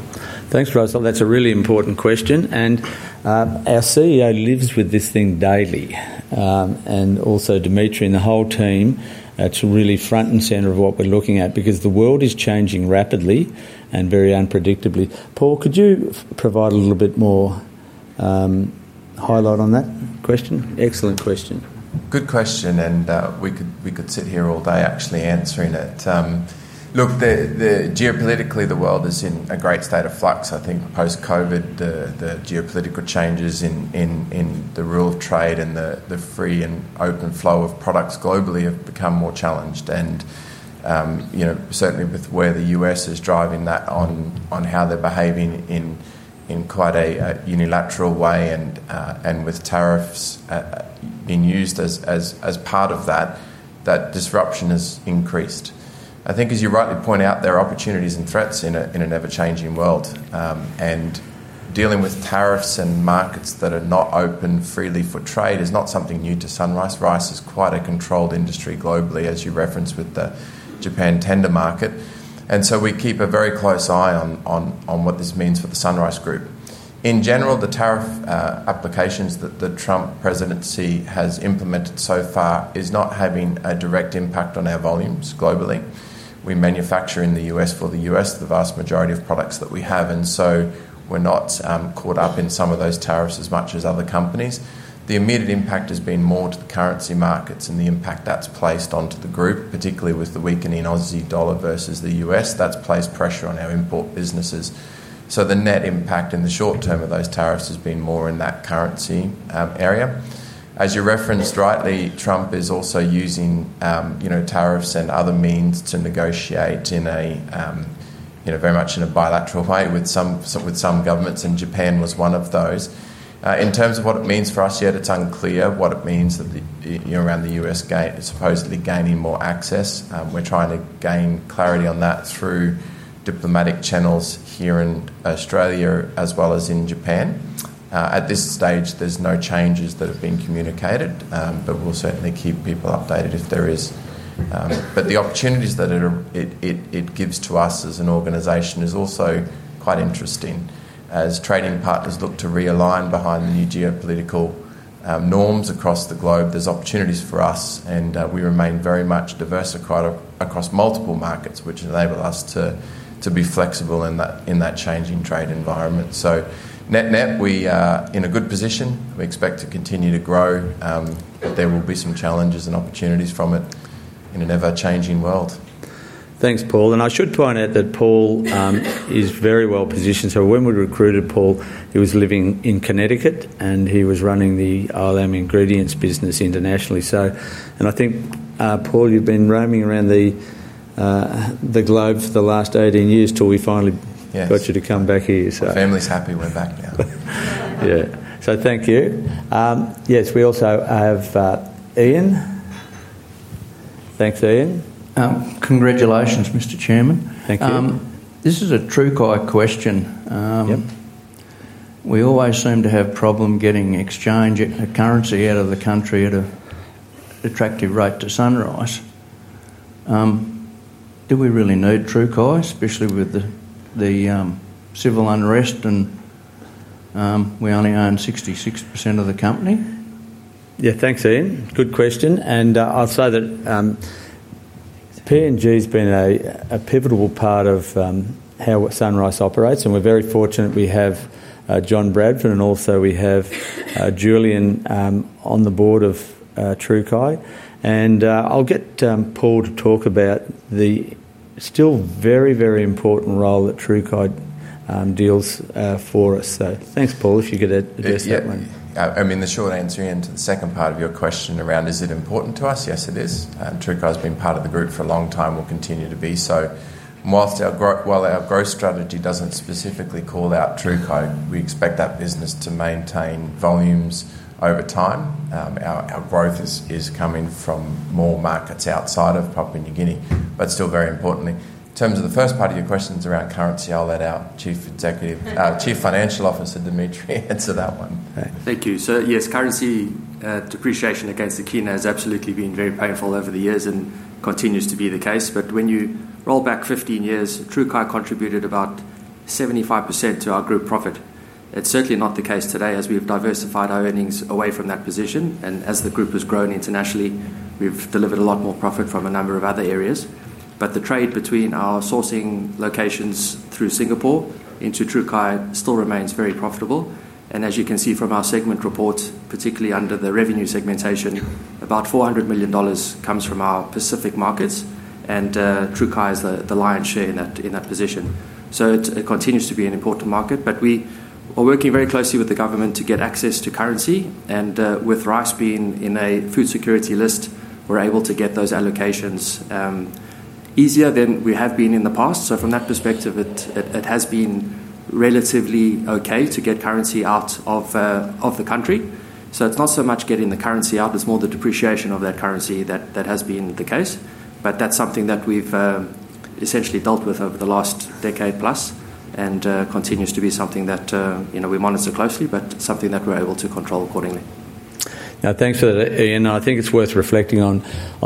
Thanks, Rosol. That's a really important question. And our CEO lives with this thing daily. And also Dimitri and the whole team, that's really front and centre of what we're looking at because the world is changing rapidly and very unpredictably. Paul, could you provide a little bit more highlight on that question? Excellent question. Good question, and we sit here all day actually answering it. Geopolitically, the world is in a great state of flux. Post COVID, the geopolitical changes in the rule of trade and the free and open flow of products globally have become more challenged, and certainly with where The US is driving that on how they're behaving in quite a unilateral way, and with tariffs being used as part of that, that disruption has increased. I think as you rightly point out, are opportunities and threats in an ever changing world, and dealing with tariffs and markets that are not open freely for trade is not something new to Sunrise. Rice is quite a controlled industry globally, as you referenced with the Japan tender market, and so we keep a very close eye on what this means for the Sunrise Group. In general, the tariff applications that the Trump presidency has implemented so far is not having a direct impact on our volumes globally. We manufacture in The US for The US the vast majority of products that we have, and so we're not caught up in some of those tariffs as much as other companies. The immediate impact has been more to the currency markets and the impact that's placed onto the group, particularly with the weakening Aussie dollar versus The US, that's placed pressure on our import businesses. So the net impact in the short term of those tariffs has been more in that currency area. As you referenced rightly, Trump is also using tariffs and other means to negotiate very much bilateral way with some governments, and Japan was one of those. In terms of what it means for us yet, it's unclear what it means around The US supposedly gaining more access. We're trying to gain clarity on that through diplomatic channels here in Australia as well as in Japan. At this stage, there's no changes that have been communicated, but we'll certainly keep people updated if there is. But the opportunities that gives to us as an organisation is also quite interesting. As trading partners look to realign behind the new geopolitical norms across the globe, there's opportunities for us and we remain very much diversified across multiple markets, which enable us to be flexible in that changing trade environment. Netnet, we are in a good position. We expect to continue to grow, but there will be some challenges and opportunities from it in an ever changing world. Thanks, Paul. And I should point out that Paul is very well positioned. When we recruited Paul, he was living in Connecticut and he was running the ILM ingredients business internationally. And I think, Paul, you've been roaming around the globe for the last eighteen years until we finally got you to come back here. Our family's happy we're back now. So thank you. Yes, we also have Ian. Thanks, Ian. Congratulations, Mr Chairman. Thank you. This is a true quite question. We always seem to have problem getting exchange currency out of the country at an attractive rate to sunrise. Do we really need TrueCai, especially with the civil unrest and we only own 66% of the company? Yes. Thanks, Ian. Good question. And I'll say that P and G has been a pivotal part of how Sunrise operates and we're very fortunate we have John Bradford and also we have Julian on the board of TrueCai. And I'll get Paul to talk about the still very, very important role that TrueCai deals for us. Thanks, Paul, if you could address that one. I mean the short answer into the second part of your question around is it important to us? Yes, it is. TrueCo has been part of the group for a long time and will continue to be so. Whilst our growth strategy doesn't specifically call out TrueCo, we expect that business to maintain volumes over time. Our growth is coming from more markets outside of Papua New Guinea, but still very importantly. In terms of the first part of your questions around currency, I'll let our Chief Executive Chief Financial Officer, Dimitri, answer that one. Thank you. So yes, currency depreciation against the Kiena has absolutely been very painful over the years and continues to be the case. But when you roll back fifteen years, TrueCar contributed about 75% to our group profit. It's certainly not the case today as we have diversified our earnings away from that position. And as the group has grown internationally, we've delivered a lot more profit from a number of other areas. But the trade between our sourcing locations through Singapore into TrueCar still remains very profitable. And as you can see from our segment reports, particularly under the revenue segmentation, about $400,000,000 comes from our Pacific markets and TrueCar is the lion's share in that position. So it continues to be an important market, but we are working very closely with the government to get access to currency and with rice being in a food security list, we're able to get those allocations easier than we have been in the past. So from that perspective, has been relatively okay to get currency out of the country. So it's not so much getting the currency out, it's more the depreciation of that currency that has been the case. But that's something that we've essentially dealt with over the last decade plus and continues to be something that we monitor closely, but something that we're able to control accordingly. Thanks for that. Ian, I think it's worth reflecting on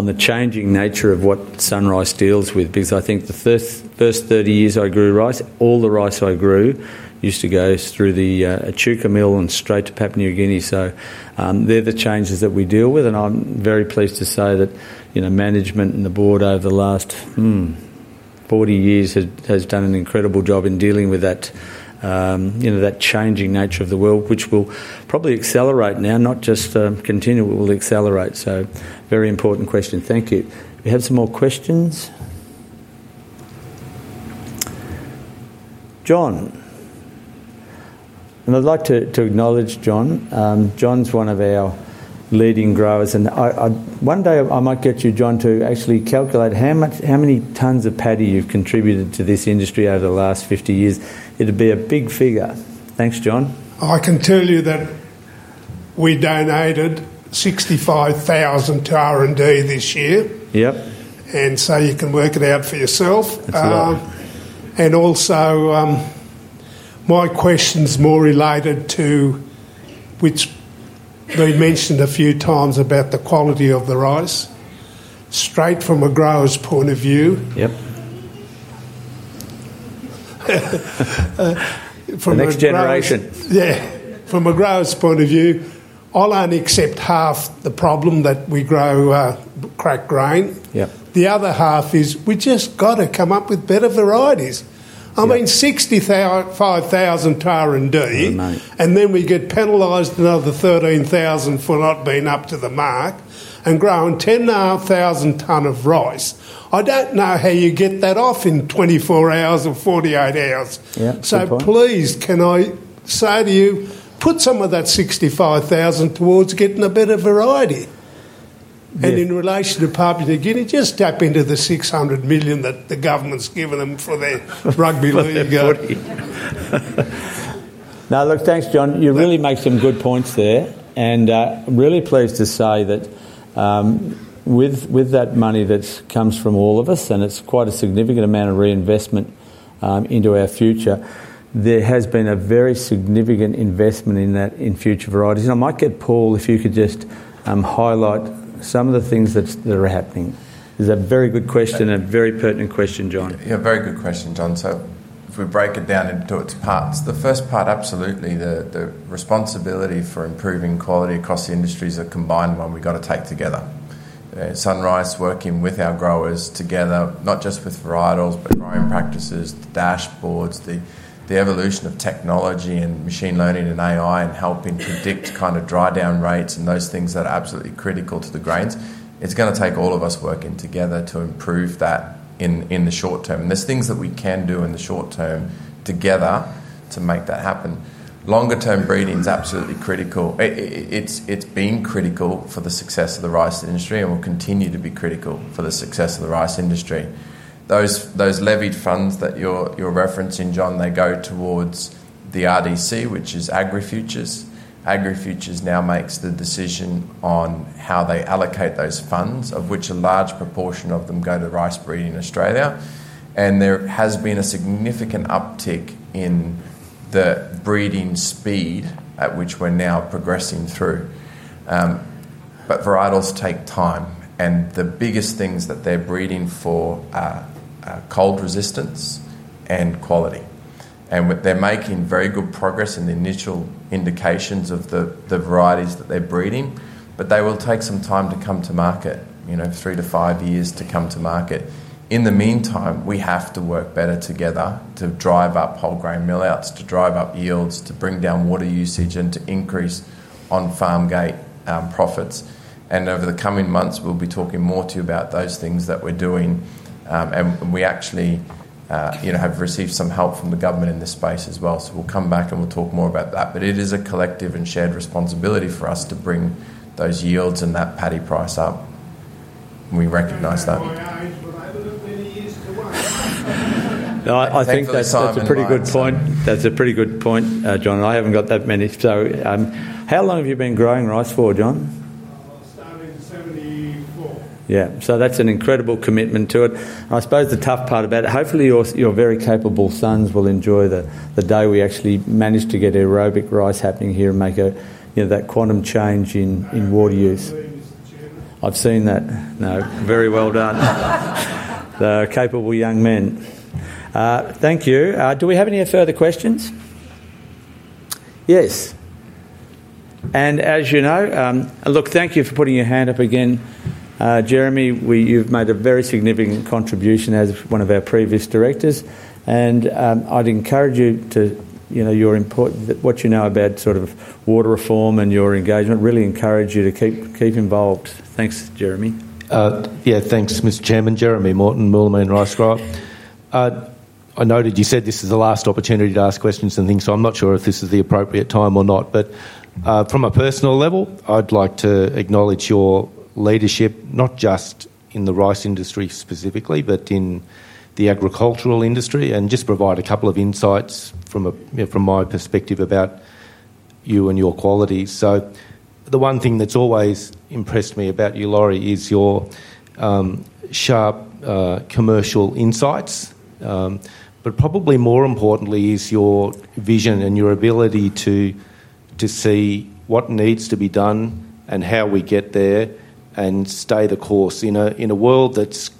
the changing nature of what Sunrise deals with because I think the first thirty years I grew rice, all the rice I grew used to go through the Achuka mill and straight to Papua New Guinea. So they're the changes that we deal with and I'm very pleased to say that management and the board over the last forty years has done an incredible job in dealing with that changing nature of the world which will probably accelerate now not just continue, it will accelerate. Very important question, thank you. We have some more questions. John. And I'd like to acknowledge John. John's one of our leading growers and one day I might get you, John, to actually calculate how many tonnes of paddy you've contributed to this industry over the last fifty years. It would be a big figure. Thanks, John. I can tell you that we donated 65,000 to R and D this year. Yep. And so you can work it out for yourself. That's right. And also, my question's more related to which they've mentioned a few times about the quality of the rice. Straight from a grower's point of view Next generation. Yeah. From a grower's point of view, I'll only accept half the problem that we grow, crack grain. Yep. The other half is we just gotta come up with better varieties. I mean, 65,000 Tar and D Yeah, mate. And then we get penalized another 13,000 for not being up to the mark and growing 10 and a half thousand ton of rice. I don't know how you get that off in twenty four hours or forty eight hours. Yep. So please, can I say to you, put some of that 65,000 towards getting a better variety? And in relation to Papua New Guinea, just tap into the 600,000,000 that the government's given them for their rugby league Now look, thanks John. You really make some good points there and I'm really pleased to say that with that money that comes from all of us and it's quite a significant amount of reinvestment into our future, there has been a very significant investment in that in future varieties. I might get Paul, if you could just highlight some of the things that are happening. It's a very good question and a very pertinent question, John. Yes, very good question, John. If we break it down into its parts, the first part absolutely, the responsibility for improving quality across the industries, a combined one we've to take together. Sunrise working with our growers together, not just with varietals, but growing practices, dashboards, the evolution of technology and machine learning and AI and helping to predict kind of dry down rates and those things that are absolutely critical to the grains. It's going to take all of us working together to improve that in in the short term. There's things that we can do in the short term together to make that happen. Longer term breeding is absolutely critical. It's it's been critical for success of the rice industry and will continue to be critical for the success of the rice industry. Those levied funds that you're referencing, John, they go towards the RDC, which is AgriFutures. AgriFutures now makes the decision on how they allocate those funds, of which a large proportion of them go to rice breeding Australia, and there has been a significant uptick in the breeding speed at which we are now progressing through. Varietals take time, and the biggest things that they are breeding for are cold resistance and quality. They are making very good progress in the initial indications of the varieties that they are breeding, but they will take some time to come to market, three to five years to come to market. In the meantime, we have to work better together to drive up whole grain mill outs, to drive up yields, to bring down water usage and to increase on farm gate profits. And over the coming months, we'll be talking more to you about those things that we're doing, and we actually have received some help from the Government in this space as well, so we'll come back and talk more about that. But it is a collective and shared responsibility for us to bring those yields and that paddy price up, and we recognise that. That's a pretty good point, John. I haven't got that many. How long have you been growing rice for, John? Starting in 'seventy four. Yeah. So that's an incredible commitment to it. I suppose the tough part about it hopefully your very capable sons will enjoy the day we actually managed to get aerobic rice happening here and make that quantum change in water use. I've seen that. No. Very well done. Capable young men. Thank you. Do we have any further questions? Yes. And as you know, look thank you for putting your hand up again Jeremy. We you've made a very significant contribution as one of our previous directors and I'd encourage you to you know, your important what you know about sort of water reform and your engagement, really encourage you to keep involved. Thanks, Jeremy. Jeremy Morton, Mullerman RiceGrip. I noted you said this is the last opportunity to ask questions and things, so I'm not sure if this is the appropriate time or not. But from a personal level, I'd like to acknowledge your leadership, not just in the rice industry specifically, but in the agricultural industry and just provide a couple of insights from my perspective about you and your qualities. So the one thing that's always impressed me about you, Laurie, is your sharp commercial insights. But probably more importantly is your vision and your ability to see what needs to be done and how we get there and stay the course. A world that's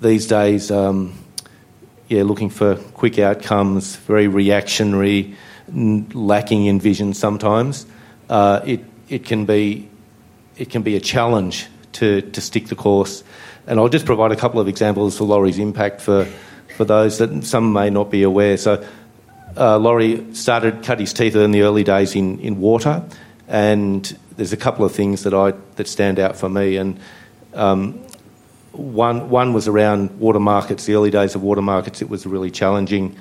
these days looking for quick outcomes, very reactionary, lacking in vision sometimes. It can be a challenge to stick the course. And I'll just provide a couple of examples to Lori's impact for those that some may not be aware. So Lawrie started to cut his teeth in the early days in water and there's a couple of things that I that stand out for me. And one was around water markets, the early days of water markets, it was really challenging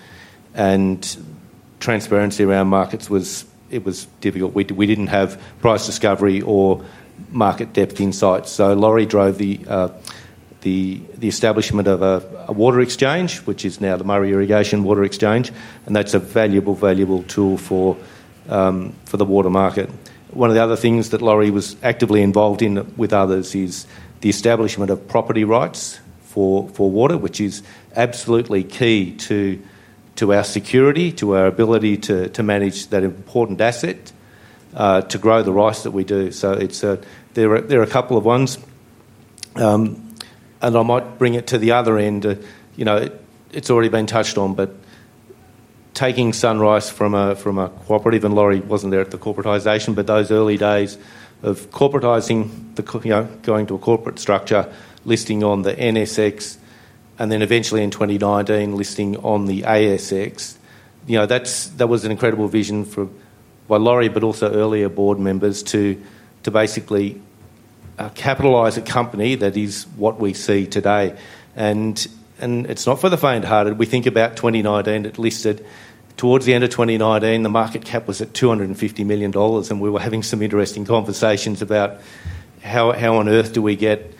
and transparency around markets was it was difficult. Didn't have price discovery or market depth insights. So Laurie drove the establishment of a water exchange, which is now the Murray Irrigation Water Exchange and that's a valuable, valuable tool for the water market. One of the other things that Laurie was actively involved in with others is the establishment of property rights for water, which is absolutely key to our security, to our ability to manage that important asset, to grow the rice that we do. So it's a there are a couple of ones. And I might bring it to the other end. It's already been touched on, but taking Sunrise from a cooperative and Laurie wasn't there at the corporatization, but those early days of corporatizing the going to a corporate structure, listing on the NSX and then eventually in 2019, listing on the ASX. That was an incredible vision for Laurie but also earlier board members to basically capitalize a company that is what we see today. And it's not for the faint hearted. We think about 2019 at least that towards the end of 2019, the market cap was at $250,000,000 and we were having some interesting conversations about how on earth do we get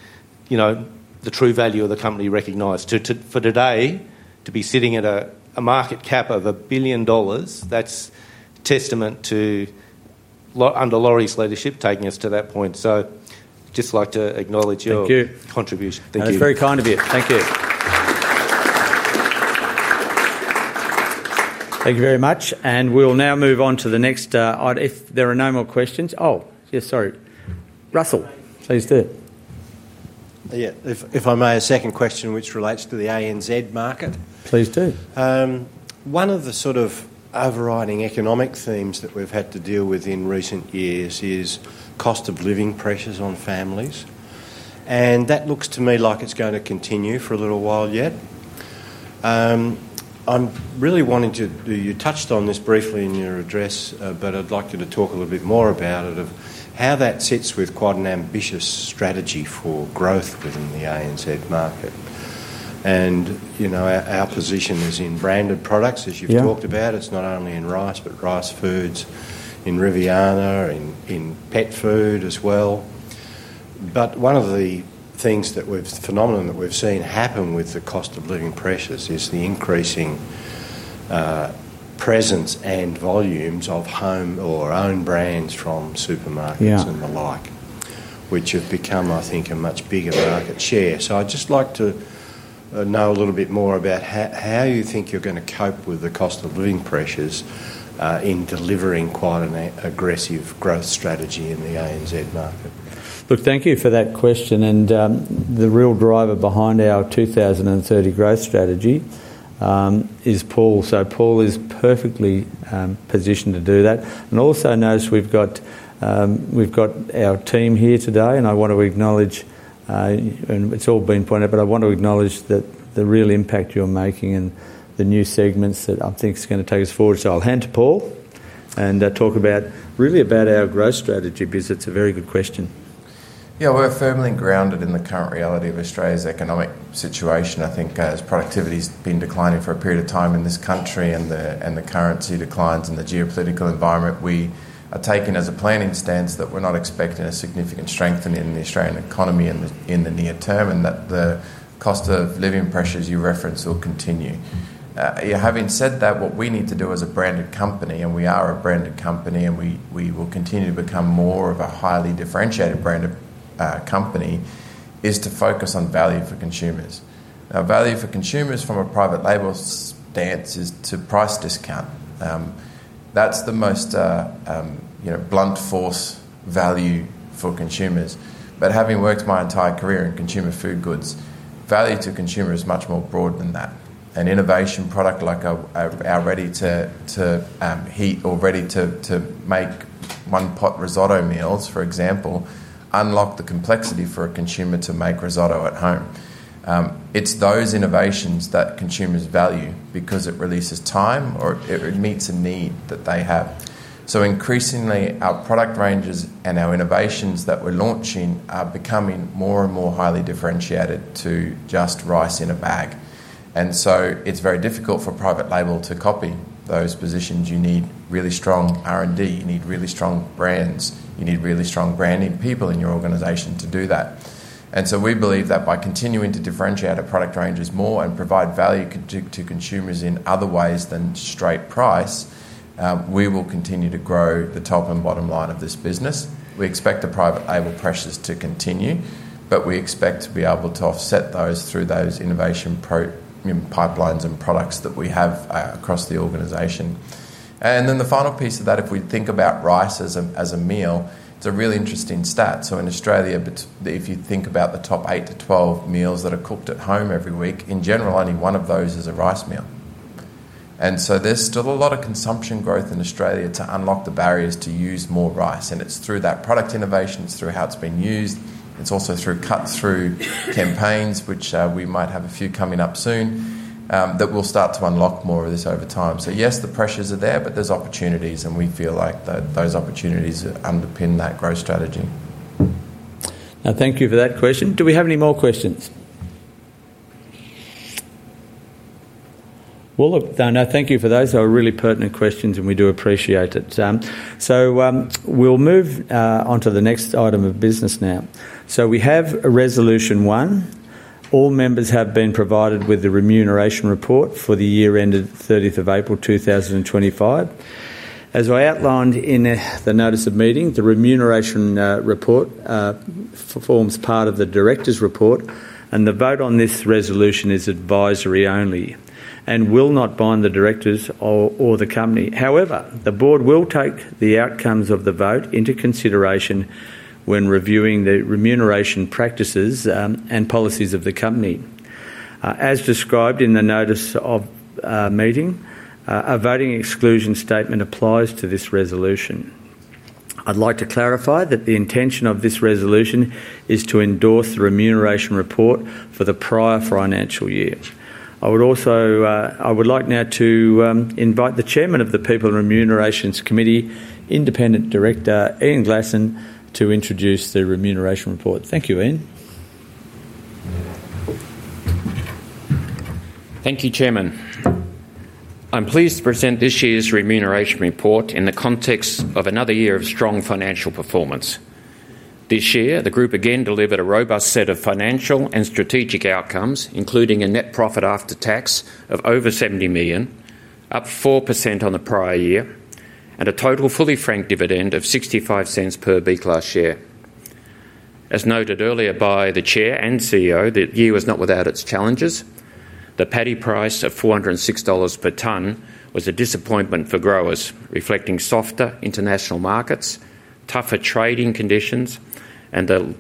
the true value of the company recognized. For today, to be sitting at a market cap of $1,000,000,000 that's testament to under Lori's leadership taking us to that point. Just like to acknowledge your contribution. That's very kind of you. Thank you. Thank you very much. And we will now move on to the next. If there are no more questions oh, yes, sorry. Russell, please do. Yes, if I may, a second question which relates to the ANZ market. Please do. One of the sort of overriding economic themes that we've had to deal with in recent years is cost of living pressures on families. And that looks to me like it's going to continue for a little while yet. I'm really wanting to you touched on this briefly in your address, but I'd like you to talk a little bit more about it of how that sits with quite an ambitious strategy for growth within the ANZ market. And our position is in branded products, as you've talked about. It's not only in rice, but rice foods, in Riviana, in pet food as well. But one of the things that we've phenomenon that we've seen happen with the cost of living pressures is the increasing presence and volumes of home or own brands from supermarkets and the like, which have become, I think, a much bigger market share. So I'd just like to know a little bit more about how you think you're going to cope with the cost of living pressures in delivering quite an aggressive growth strategy in the ANZ market. Look, thank you for that question. And the real driver behind our 2030 growth strategy is Paul. So Paul is perfectly positioned to do that. And also notice we've got our team here today and I want to acknowledge and it's all been pointed out, I want to acknowledge that the real impact you're making and the new segments that I think is going to take us forward. So I'll hand to Paul and talk about really about our growth strategy because it's a very good question. Yes, we're firmly grounded in the current reality of Australia's economic situation. Think as productivity has been declining for a period of time in this country and the currency declines in the geopolitical environment, we are taking as a planning stance that we're not expecting a significant strengthening in the Australian economy in near term and that the cost of living pressures you referenced will continue. Having said that, what we need to do as a branded company, and we are a branded company and we will continue to become more of a highly differentiated branded company is to focus on value for consumers. Our value for consumers from a private label stance is to price discount. That's the most, you know, blunt force value for consumers. But having worked my entire career in consumer food goods, value to consumer is much more broad than that. An innovation product like our our ready to to, heat or ready to to make one pot risotto meals, for example, unlock the complexity for a consumer to make risotto at home. It's those innovations that consumers value because it releases time or it meets a need that they have. Increasingly, our product ranges and our innovations that we are launching are becoming more and more highly differentiated to just rice in a bag. It's very difficult for private label to copy those positions. Need really strong R and D, you need really strong brands, you need really strong branding people in your organisation to do that. We believe that by continuing to differentiate our product ranges more and provide value to consumers in other ways than straight price, we will continue to grow the top and bottom line of this business. We expect the private label pressures to continue, but we expect to be able to offset those through those innovation pipelines and products that we have across the organisation. And then the final piece of that, if we think about rice as a meal, it's a really interesting stat. So in Australia, if you think about the top eight to 12 meals that are cooked at home every week, in general, only one of those is a rice meal. And so there's still a lot of consumption growth in Australia to unlock the barriers to use more rice, and it's through that product innovation, through how it's been used, it's also through cut through campaigns, which, we might have a few coming up soon, that we'll start to unlock more of this over time. So yes, the pressures are there, but there's opportunities and we feel like those opportunities underpin that growth strategy. Thank you for that question. Do we have any more questions? Well look, thank you for those. They are really pertinent questions and we do appreciate it. We'll move on to the next item of business now. So we have Resolution one. All members have been provided with the remuneration report for the year ended 04/30/2025. As I outlined in the notice of meeting, the remuneration report performs part of the director's report and the vote on this resolution is advisory only and will not bind the directors or the company. However, the board will take the outcomes of the vote into consideration when reviewing practices and policies of the company. As described in the notice of meeting, a voting exclusion statement applies to this resolution. I'd like to clarify that the intention of this resolution is to endorse the remuneration report for the prior financial year. I would also I would like now to invite the Chairman of the People Remunerations Committee, Independent Director, Ian Glassen to introduce the remuneration report. Thank you, Ian. Thank you, Chairman. I'm pleased to present this year's remuneration report in the context of another year of strong financial performance. This year, the group again delivered a robust set of financial and strategic outcomes, including a net profit after tax of over $70,000,000 up 4% on the prior year and a total fully franked dividend of $0.65 per B Class share. As noted earlier by the Chair and CEO, the year was not without its challenges. The paddy price of $4.00 $6 per tonne was a disappointment for growers, reflecting softer international markets, tougher trading conditions and the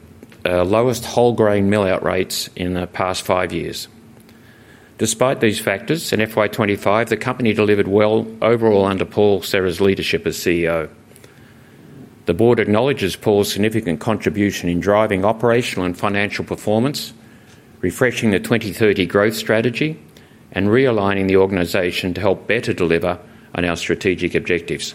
lowest whole grain mill out rates in the past five years. Despite these factors, in FY 2025, the company delivered well overall under Paul Serra's leadership as CEO. The board acknowledges Paul's significant contribution in driving operational and financial performance, refreshing the 2030 growth strategy and realigning the organisation to help better deliver on our strategic objectives.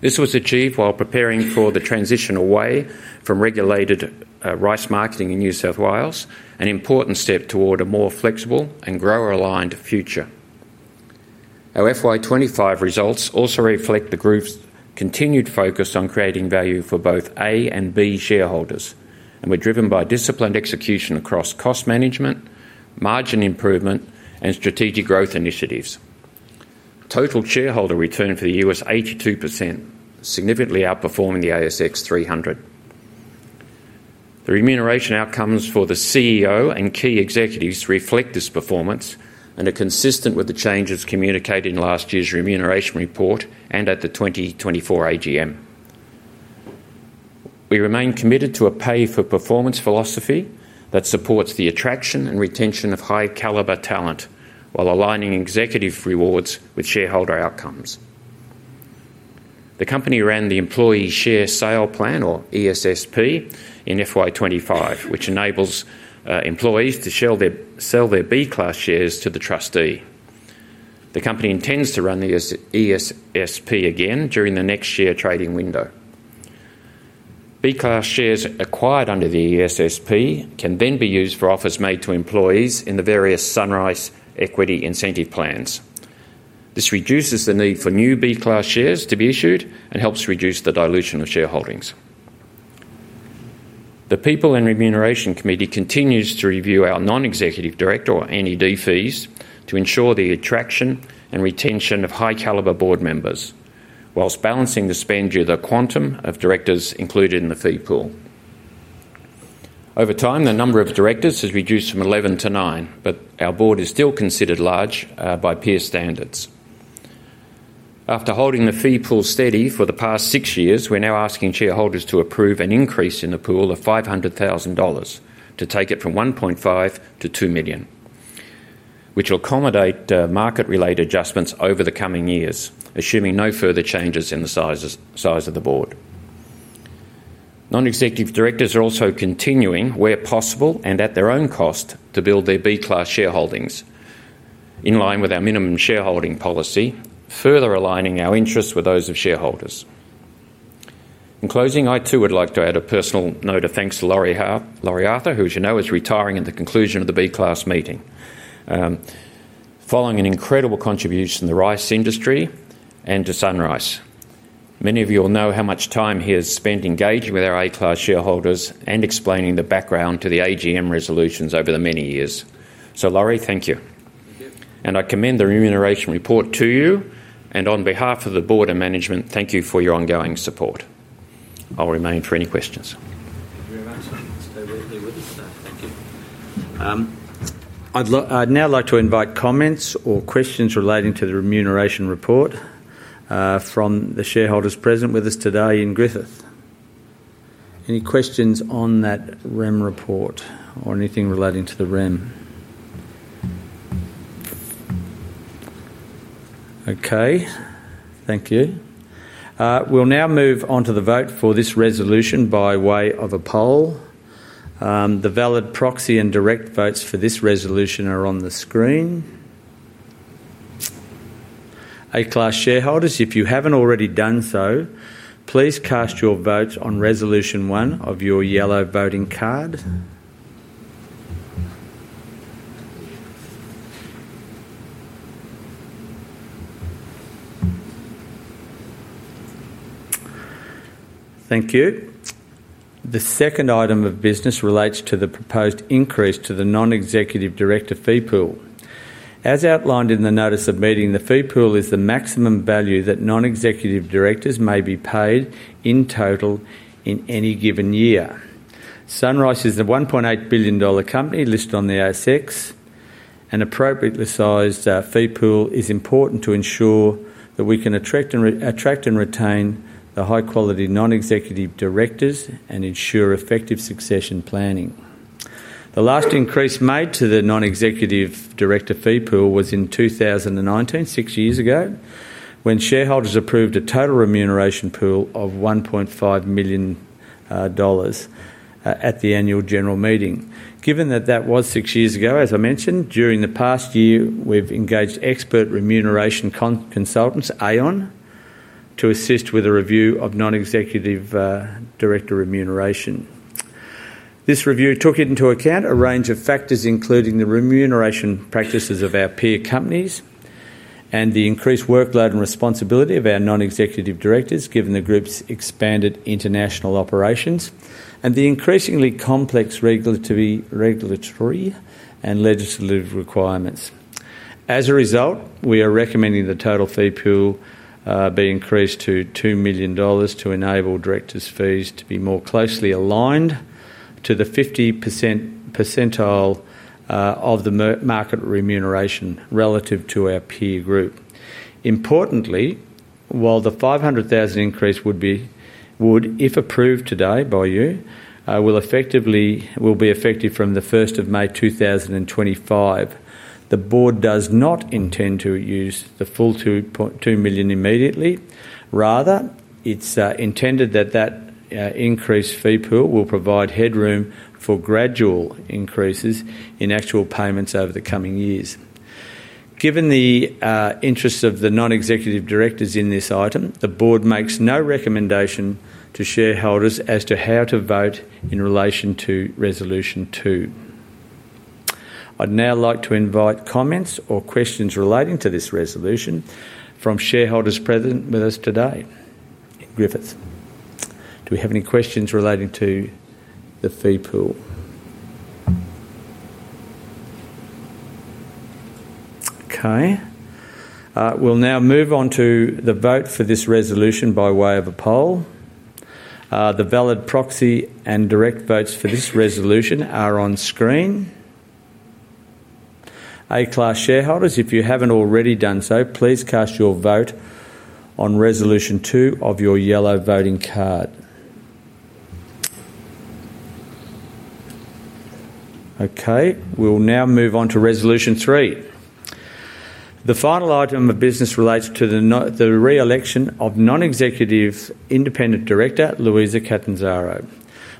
This was achieved while preparing for the transition away from regulated rice marketing in New South Wales, an important step toward a more flexible and grower aligned future. Our FY 2025 results also reflect the group's continued focus on creating value for both A and B shareholders, and were driven by disciplined execution across cost management, margin improvement and strategic growth initiatives. Total shareholder return for the year was 82%, significantly outperforming the ASX three hundred. The remuneration outcomes for the CEO and key executives reflect this performance and are consistent with the changes communicated in last year's remuneration report and at the twenty twenty four AGM. We remain committed to a pay for performance philosophy that supports the attraction and retention of high calibre talent while aligning executive rewards with shareholder outcomes. The company ran the employee share sale plan, or ESSP, in FY 2025, which enables employees to sell their B class shares to the trustee. The company intends to run the ESSP again during the next year trading window. B class shares acquired under the ESSP can then be used for offers made to employees in the various Sunrise equity incentive plans. This reduces the need for new B class shares to be issued and helps reduce the dilution of shareholdings. The People and Remuneration Committee continues to review our non executive director or NED fees to ensure the attraction and retention of high calibre board members, whilst balancing the spend due to the quantum of directors included in the fee pool. Over time, the number of directors has reduced from 11 to nine, but our Board is still considered large by peer standards. After holding the fee pool steady for the past six years, we're now asking shareholders to approve an increase in the pool of $500,000 to take it from 1,500,000.0 to $2,000,000 which will accommodate market related adjustments over the coming years, assuming no further changes in the size of the Board. Non executive directors are also continuing, where possible and at their own cost, to build their B class shareholdings, in line with our minimum shareholding policy, further aligning our interests with those of shareholders. In closing, I too would like to add a personal note of thanks to Laurie Arthur, who, as you know, is retiring at the conclusion of the B class meeting. Following an incredible contribution to rice industry and to Sunrise. Many of you will know how much time he has spent engaging with our A Class shareholders and explaining the background to the AGM resolutions over the many years. So Laurie, thank you. And I commend the remuneration report to you. And on behalf of the Board and management, thank you for your ongoing support. I'll remain for any questions. I'd now like to invite comments or questions relating to the remuneration report from the shareholders present with us today in Griffith. Any questions on that REM report or anything relating to the REM? Okay. Thank you. We'll now move on to the vote for this resolution by way of a poll. The valid proxy and direct votes for this resolution are on A class shareholders, if you haven't already done so, please cast your vote on resolution one of your yellow voting card. Thank you. The second item of business relates to the proposed increase to the non executive director fee pool. As outlined in the notice of meeting, the fee pool is the maximum value that non executive directors may be paid in total in any given year. Sunrise is a $1,800,000,000 company listed on the ASX. An appropriately sized fee pool is important to ensure that we can attract and retain the high quality non executive directors and ensure effective succession planning. The last increase made to the non executive director fee pool was in 2019, six years ago when shareholders approved a total remuneration pool of $1,500,000 at the Annual General Meeting. Given that that was six years ago, as I mentioned, during the past year we've engaged expert remuneration consultants, Aon, to assist with a review of non executive director remuneration. This review took into account a range of factors including the remuneration practices of our peer companies and the increased workload and responsibility of our non executive directors given the group's expanded international operations and the increasingly complex regulatory and legislative requirements. As a result, we are recommending the total fee pool be increased to $2,000,000 to enable directors' fees to be more closely aligned to the 50 percentile of the market remuneration relative to our peer group. Importantly, while the 500,000 increase would be would if approved today by you, will effectively will be effective from the 05/01/2025. The board does not intend to use the full 2,000,000 immediately. Rather, it's intended that that increased fee pool will provide headroom for gradual increases in actual payments over the coming years. Given the interests of the non executive directors in this item, the board makes no recommendation to shareholders as to how to vote in relation to resolution two. I'd now like to invite comments or questions relating to this resolution from shareholders present with us today. Griffith, do we have any questions relating to the fee pool? Okay. We'll now move on to the vote for this resolution by way of a poll. The valid proxy and direct votes for this resolution are on screen. A class shareholders, if you haven't already done so, please cast your vote on resolution two of your yellow voting card. Okay. We will now move on to Resolution three. The final item of business relates to the reelection of non executive independent director Louisa Catanzaro.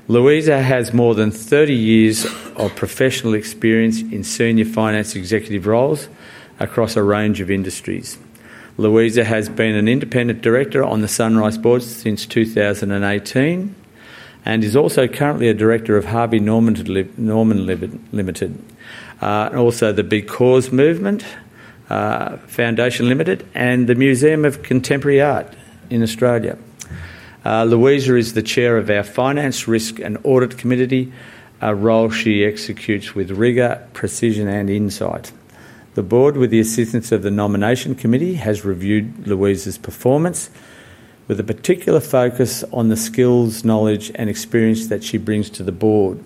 Louisa has more than thirty years of professional experience in senior finance executive roles across a range of industries. Louisa has been an independent director on the Sunrise Board since 2018 and is also currently a director of Harvey Norman Limited. And also the Big Cause Movement Foundation Limited and the Museum of Contemporary Art in Australia. Louisa is the Chair of our Finance Risk and Audit Committee, a role she executes with rigor, precision and insight. The Board with the assistance of the Nomination Committee has reviewed Louisa's performance with a particular focus on the skills, knowledge and experience that she brings to the board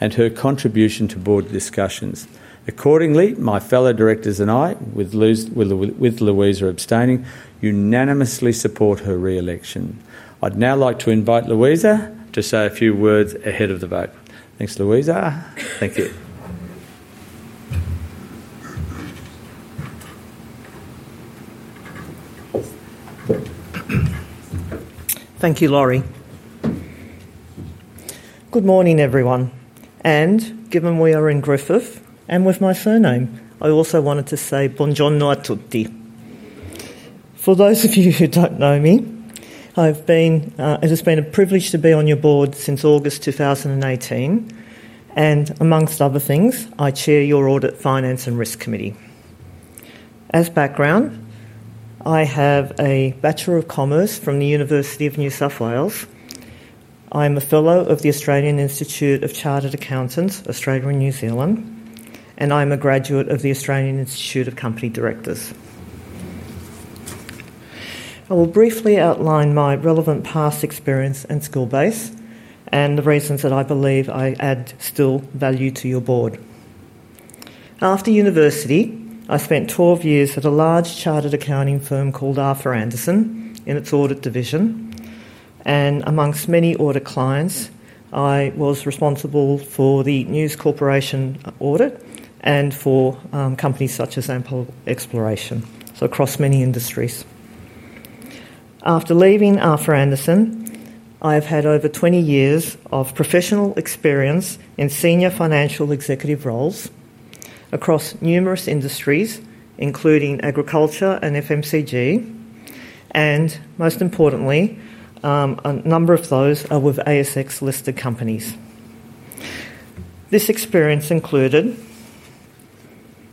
and her contribution to board discussions. Accordingly, my fellow directors and I with Louisa abstaining unanimously support her reelection. I'd now like to invite Louisa to say a few words ahead of the vote. Thanks, Louisa. Thank you. Thank you, Laurie. Good morning, everyone. And given we are in Griffith and with my surname, I also wanted to say. For those of you who don't know me, I've been It has been a privilege to be on your board since August 2018. And amongst other things, I chair your audit, finance and risk committee. As background, I have a Bachelor of Commerce from the University of New South Wales. I'm a fellow of the Australian Institute of Chartered Accountants, Australia and New Zealand. I'm a graduate of the Australian Institute of Company Directors. I will briefly outline my relevant past experience and school base and the reasons that I believe I add still value to your board. After university, I spent twelve years at a large chartered accounting firm called Arthur Andersen in its audit division. And amongst many audit clients, I was responsible for the News Corporation audit and for companies such as Ample Exploration, so across many industries. After leaving Arthur Andersen, I've had over twenty years of professional experience in senior financial executive roles across numerous industries, including agriculture and FMCG, and most importantly, number of those are with ASX listed companies. This experience included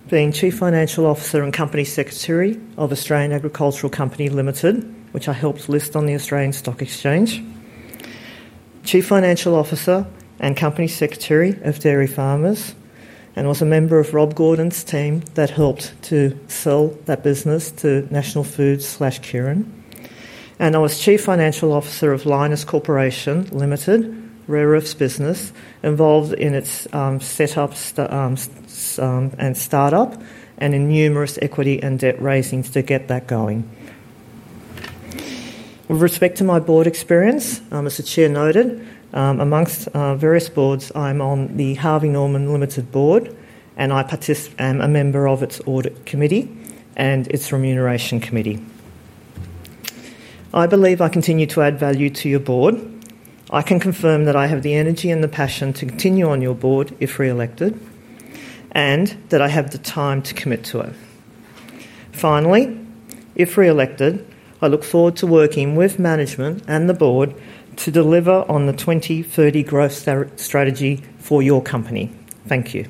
being Chief Financial Officer and Company Secretary of Australian Agricultural Company Limited, which I helped list on the Australian Stock Exchange, Chief Financial Officer and Company Secretary of Dairy Farmers, and was a member of Rob Gordon's team that helped to sell that business to National FoodsCuren. And I was Chief Financial Officer of Linus Corporation Limited, a rare earth business involved in its setups and start up and in numerous equity and debt raisings to get that going. With respect to my board experience, as the Chair noted, amongst various boards, I'm on the Harvey Norman Limited Board and I am a member of its Audit Committee and its Remuneration Committee. I believe I continue to add value to your board. I can confirm that I have the energy and the passion to continue on your board if re elected, and that I have the time to commit to it. Finally, if reelected, I look forward to working with management and the board to deliver on the 2030 growth strategy for your company. Thank you.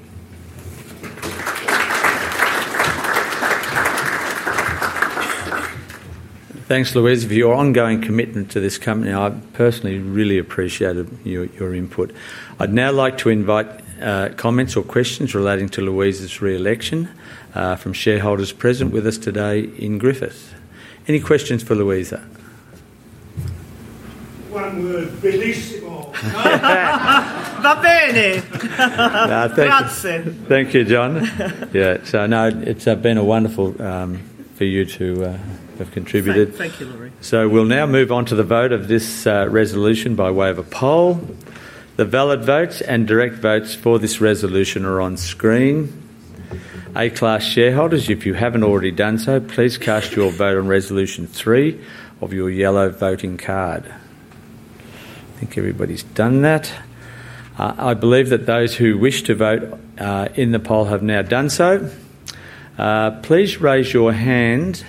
Thanks, Louise, for your ongoing commitment to this company. I personally really appreciate your input. I'd now like to invite comments or questions relating to Louisa's reelection from shareholders present with us today in Griffith. Any questions for Louisa? Thank you, John. So now it's been wonderful for you to have contributed. So we'll now move on to the vote of this resolution by way of a poll. The valid votes and direct votes for this resolution are on screen. A class shareholders, if you haven't already done so, please cast your vote on resolution three of your yellow voting card. Think everybody's done that. I believe that those who wish to vote, in the poll have now done so. Please raise your hand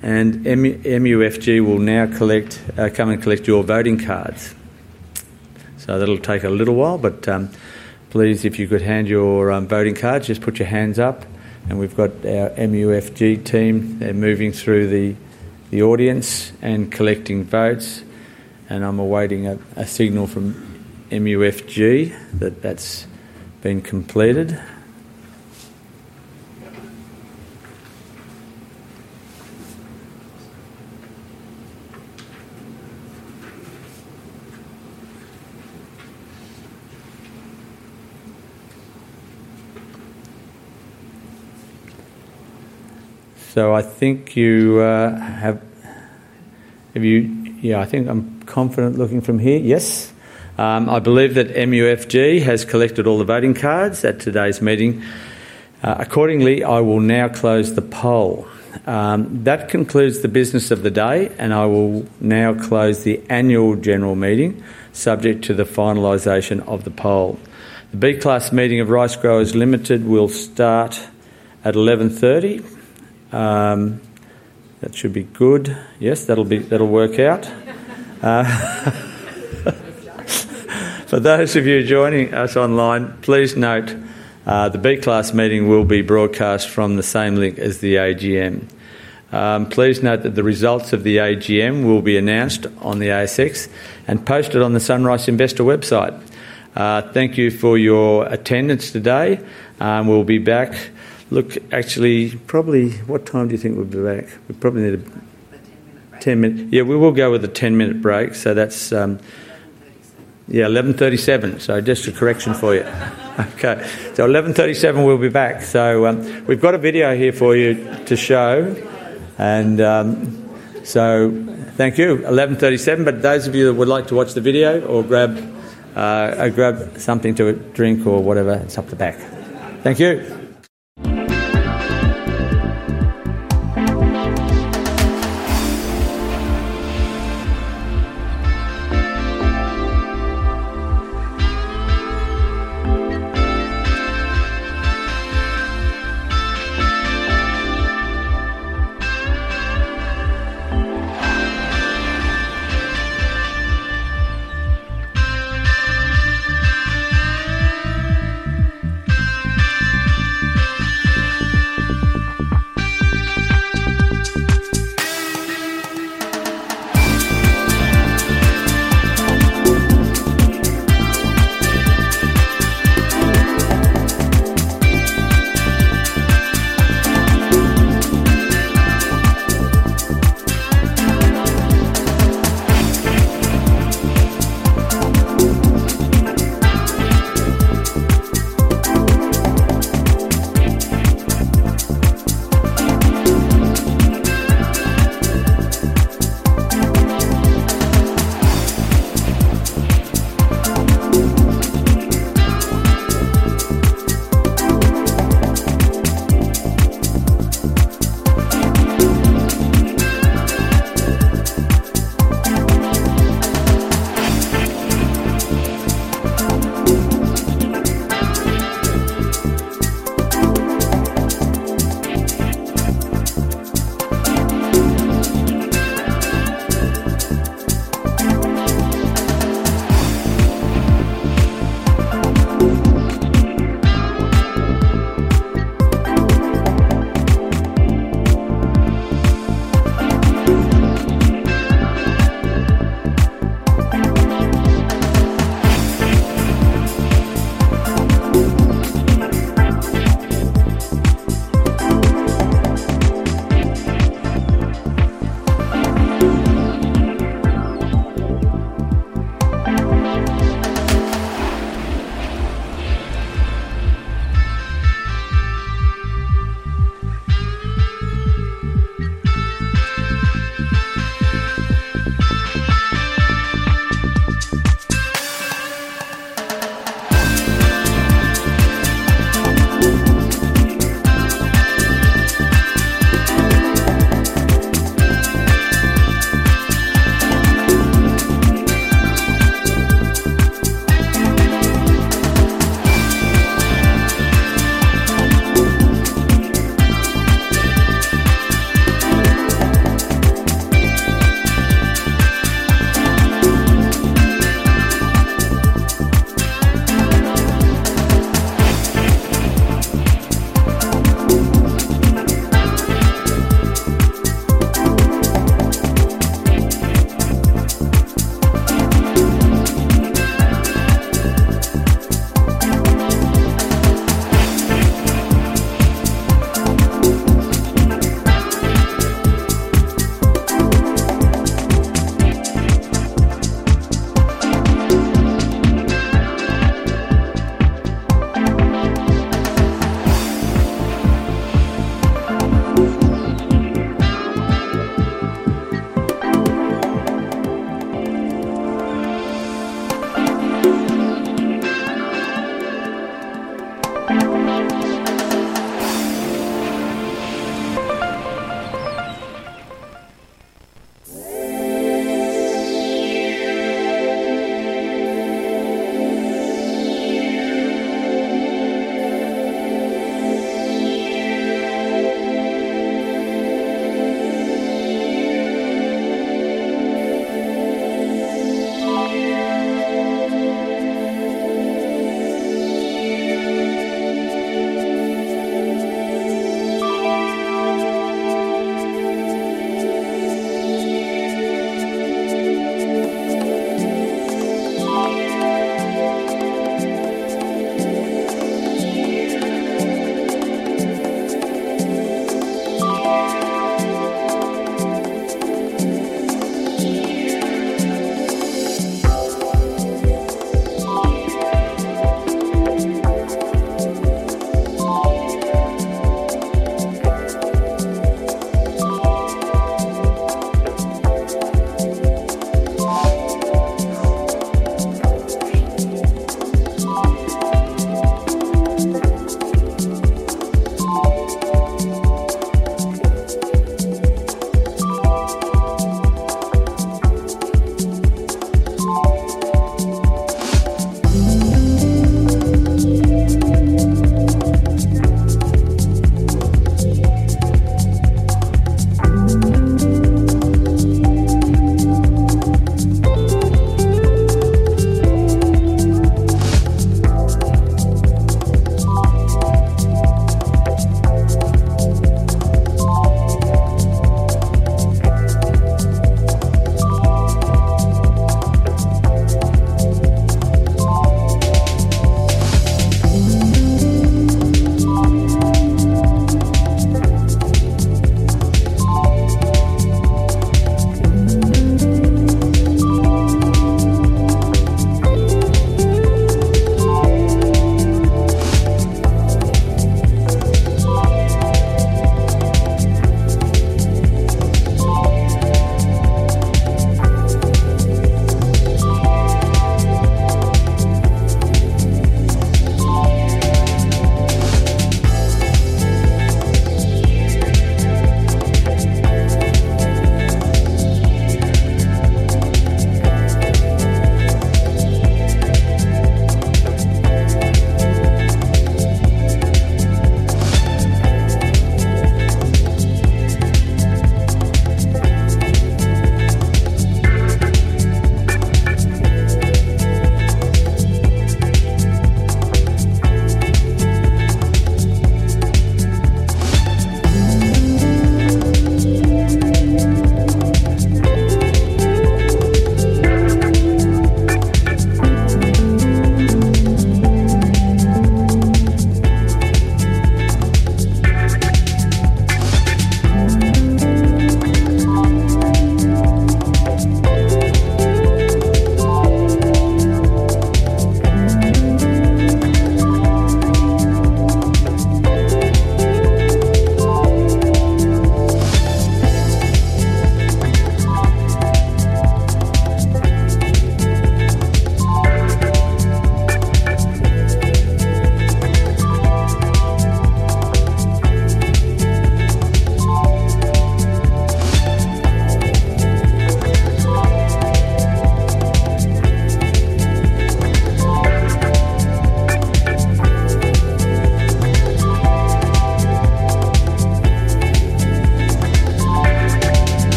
and MUFG will now collect, come and collect your voting cards. So that'll take a little while, but please if you could hand your voting cards, just put your hands up and we've got MUFG team moving through the audience and collecting votes. And I'm awaiting a signal from MUFG that that's been completed. So I think you have have you Yeah, I think I'm confident looking from here. Yes. I believe that MUFG has collected all the voting cards at today's meeting. Accordingly, I will now close the poll. That concludes the business of the day and I will now close the annual general meeting subject to the finalization of the poll. The b class meeting of rice growers limited will start at 11:30. That should be good. Yes, that'll work out. For those of you joining us online, please note the B class meeting will be broadcast from the same link as the AGM. Please note that the results of the AGM will be announced on the ASX and posted on the Sunrise Investor website. Thank you for your attendance today. We'll be back, Look, actually, probably what time do you think we'll be back? We probably need a About ten minute break. Yeah. We will go with a ten minute break. So that's 11:37. Yeah. 11:37. So just a correction for you. Okay. So 11:37 we'll be back. So we've got a video here for you to show and so thank you. 11:37. But those of you that would like to watch the video or grab grab something to drink or whatever, it's up the back. Thank you.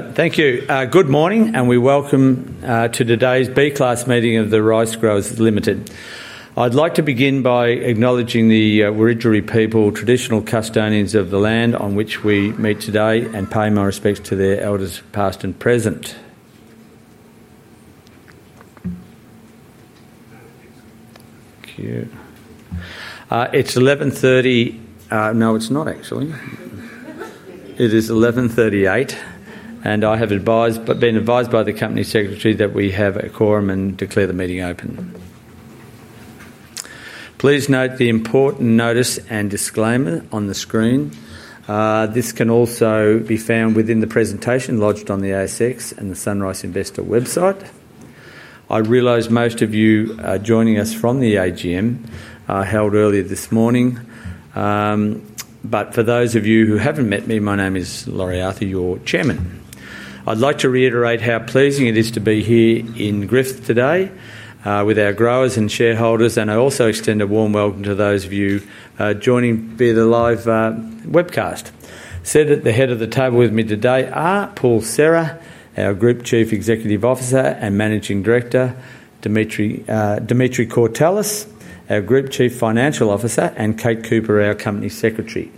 Thank you. Good morning and we welcome to today's b class meeting of the Rice Growers Limited. I'd like to begin by acknowledging the Wiradjuri people, traditional custodians of the land on which we meet today and pay my respects to their elders past and present. It's 11:30 no, it's not actually. It is 11:38 and I have advised been advised by the company secretary that we have a quorum and declare the meeting open. Please note the important notice and disclaimer on the screen. This can also be found within the presentation lodged on the ASX and the Sunrise Investor website. I realize most of you are joining us from the AGM held earlier this morning. But for those of you who haven't met me, my name is Laurie Arthur, your Chairman. I'd like to reiterate how pleasing it is to be here in Griffith today with our growers and shareholders and I also extend a warm welcome to those of you joining via the live webcast. Said at the head of the table with me today are Paul Serra, our Group Chief Executive Officer and Managing Director Dimitri Dimitri Cortellis, our group chief financial officer and Kate Cooper, our company secretary.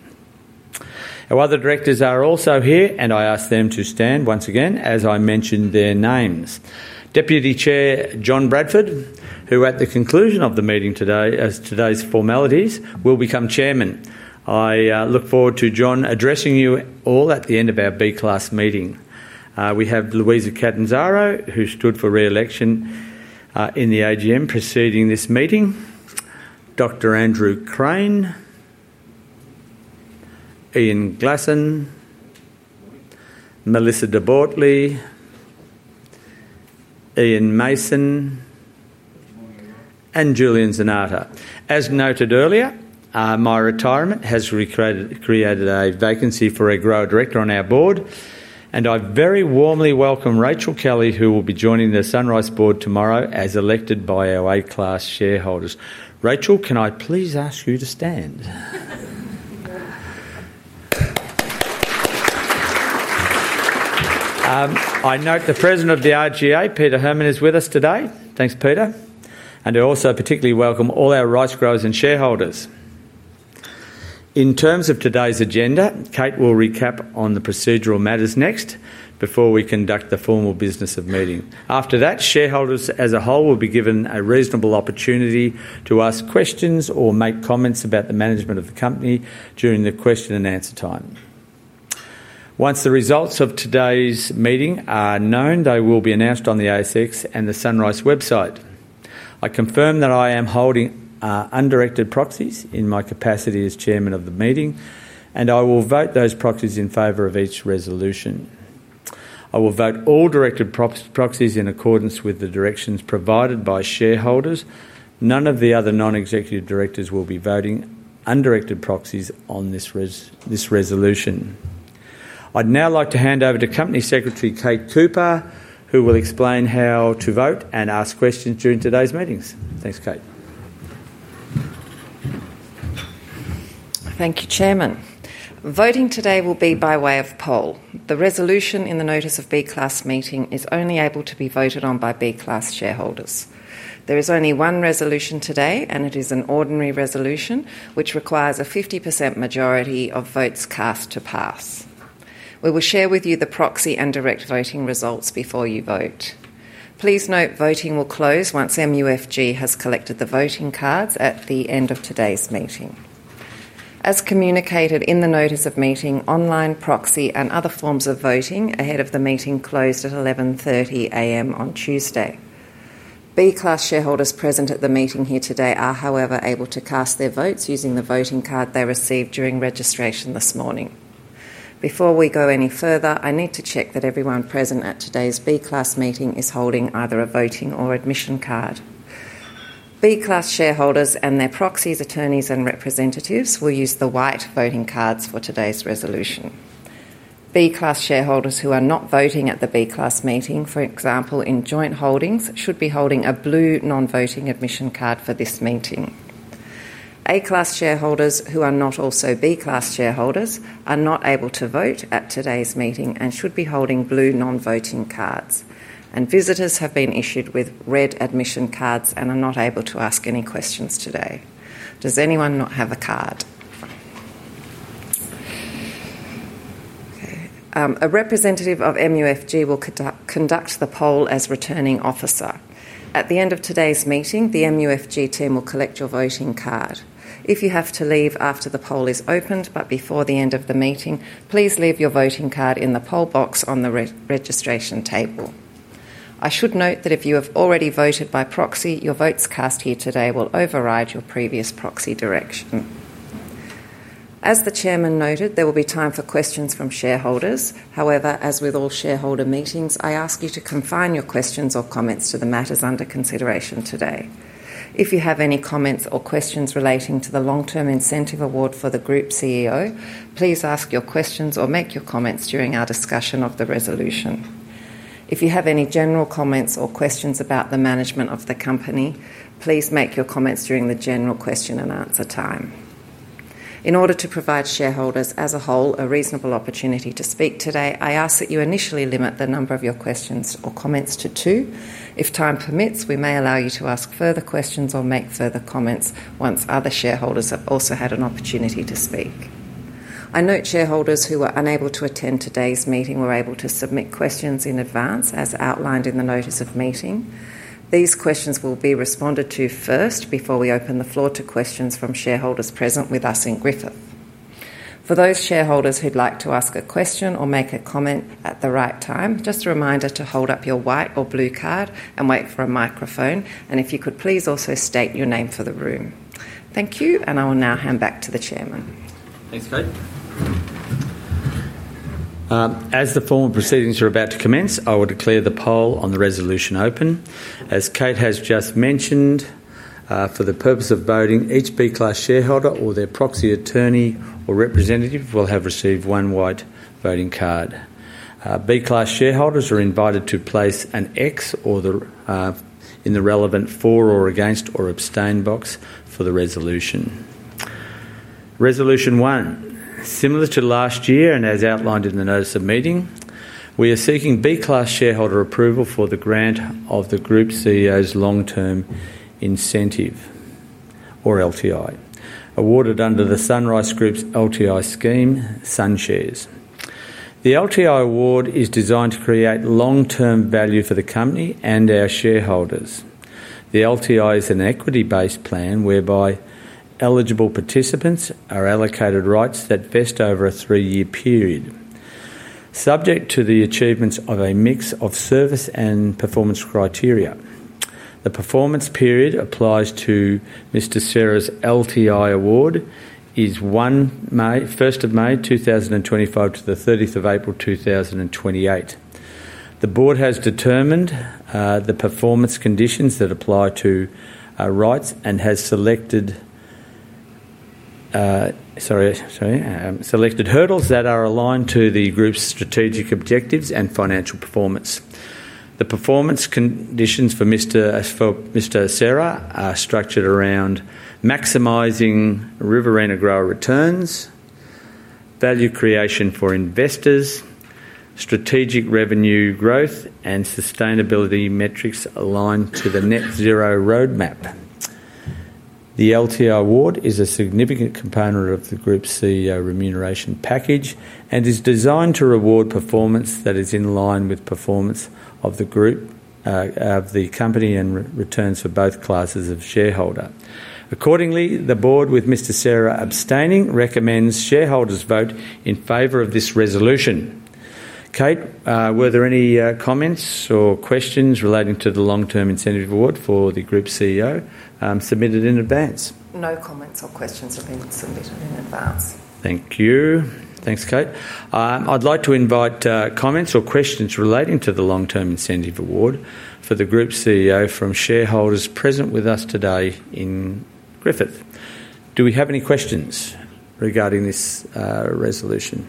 Our other directors are also here and I ask them to stand once again as I mentioned their names. Deputy chair John Bradford who at the conclusion of the meeting today as today's formalities will become chairman. I look forward to John addressing you all at the end of our b class meeting. We have Louisa Catanzaro who stood for reelection in the AGM preceding this meeting. Doctor Andrew Crane, Ian Glasson, Melissa DeBortley, Ian Mason, and Julian Zenata. As noted earlier, my retirement has created a vacancy for a grower director on our board. And I very warmly welcome Rachel Kelly who will be joining the Sunrise board tomorrow as elected by our A Class shareholders. Rachel, can I please ask you to stand? I note the president of the RGA, Peter Herman, is with us today. Thanks, Peter. And I also particularly welcome all our rice growers and shareholders. In terms of today's agenda, Kate will recap on the procedural matters next before we conduct the formal business of meeting. After that, shareholders as a whole will be given a reasonable opportunity to ask questions or make comments about the management of the company during the question and answer time. Once the results of today's meeting are known, they will be announced on the ASX and the Sunrise website. I confirm that I am holding undirected proxies in my capacity as chairman of the meeting and I will vote those proxies in favor of each resolution. I will vote all directed proxies in accordance with the directions provided by shareholders. None of the other non executive directors will be voting undirected proxies on resolution. I'd now like to hand over to company secretary Kate Cooper who will explain how to vote and ask questions during today's meetings. Thanks Kate. Thank you, Chairman. Voting today will be by way of poll. The resolution in the notice of B class meeting is only able to be voted on by B class shareholders. There is only one resolution today and it is an ordinary resolution which requires a 50% majority of votes cast to pass. We will share with you the proxy and direct voting results before you vote. Please note voting will close once MUFG has collected the voting cards at the end of today's meeting. As communicated in the notice of meeting, online proxy and other forms of voting ahead of the meeting closed at 11:30AM on Tuesday. B class shareholders present at the meeting here today are, however, able cast their votes using the voting card they received during registration this morning. Before we go any further, I need to check that everyone present at today's B class meeting is holding either a voting or admission card. B class shareholders and their proxies, attorneys and representatives will use the white voting cards for today's resolution. B class shareholders who are not voting at the B class meeting, for example, in joint holdings should be holding a blue nonvoting admission card for this meeting. A class shareholders who are not also B class shareholders are not able to vote at today's meeting and should be holding blue nonvoting cards. And visitors have been issued with red admission cards and are not able to ask any questions today. Does anyone not have a card? Okay. A representative of MUFG will conduct the poll as returning officer. At the end of today's meeting, the MUFG team will collect your voting card. If you have to leave after the poll is opened but before the end of the meeting, please leave your voting card in the poll box on the registration table. I should note that if you have already voted by proxy, your votes cast here today will override your previous proxy direction. As the Chairman noted, there will be time for questions from shareholders. However, as with all shareholder meetings, I ask you to confine your questions or comments to the matters under consideration today. If you have any comments or questions relating to the long term incentive award for the group CEO, please ask your questions or make your comments during our discussion of the resolution. If you have any general comments or questions about the management of the company, please make your comments during the general question and answer time. In order to provide shareholders as a whole a reasonable opportunity to speak today, I ask you initially limit the number of your questions or comments to two. If time permits, we may allow you to ask further questions or make further comments once other shareholders have also had an opportunity to speak. I note shareholders who were unable to attend today's meeting were able to submit questions in advance as outlined in the notice of meeting. These questions will be responded to first before we open the floor to questions from shareholders present with us in Griffith. For those shareholders who'd like to ask a question or make a comment at the right time, just a reminder to hold up your white or blue card and wait for a microphone. And if you could please also state your name for the room. Thank you. And I will now hand back to the Chairman. Thanks, Kate. As the formal proceedings are about to commence, I will declare the poll on the resolution open. As Kate has just mentioned, for the purpose of voting, each b class shareholder or their proxy attorney or representative will have received one white voting card. B class shareholders are invited to place an x in the relevant for or against or abstain box for the resolution. Resolution one, similar to last year and as outlined in the notice of meeting, we are seeking B class shareholder approval for the grant of the group CEO's long term incentive or LTI. Awarded under the Sunrise Group's LTI scheme, SunShares. The LTI award is designed to create long term value for the company and our shareholders. The LTI is an equity based plan whereby eligible participants are allocated rights that vest over a three year period. Subject to the achievements of a mix of service and performance criteria. The performance period applies to Mr. Sarah's LTI award is one May 2025 to the 04/30/2028. The board has determined the performance conditions that apply to rights and has selected selected hurdles that are aligned to the group's strategic objectives and financial performance. The performance conditions for Mr. For Mr. Sarah are structured around maximizing Riverina grower returns, value creation for investors, strategic revenue growth and sustainability metrics aligned to the net zero roadmap. The LTI award is a significant component of the group's CEO remuneration package and is designed to reward performance that is in line with performance of the group of the company and returns for both classes of shareholder. Accordingly, the board with Mr. Sarah abstaining recommends shareholders vote in favor of this resolution. Kate, were there any comments or questions relating to the long term incentive award for the group CEO submitted in advance. No comments or questions have been submitted in advance. Thank you. Thanks Kate. I'd like to invite comments or questions relating to the long term incentive award for the group CEO from shareholders present with us today in Griffith. Do we have any questions regarding this resolution?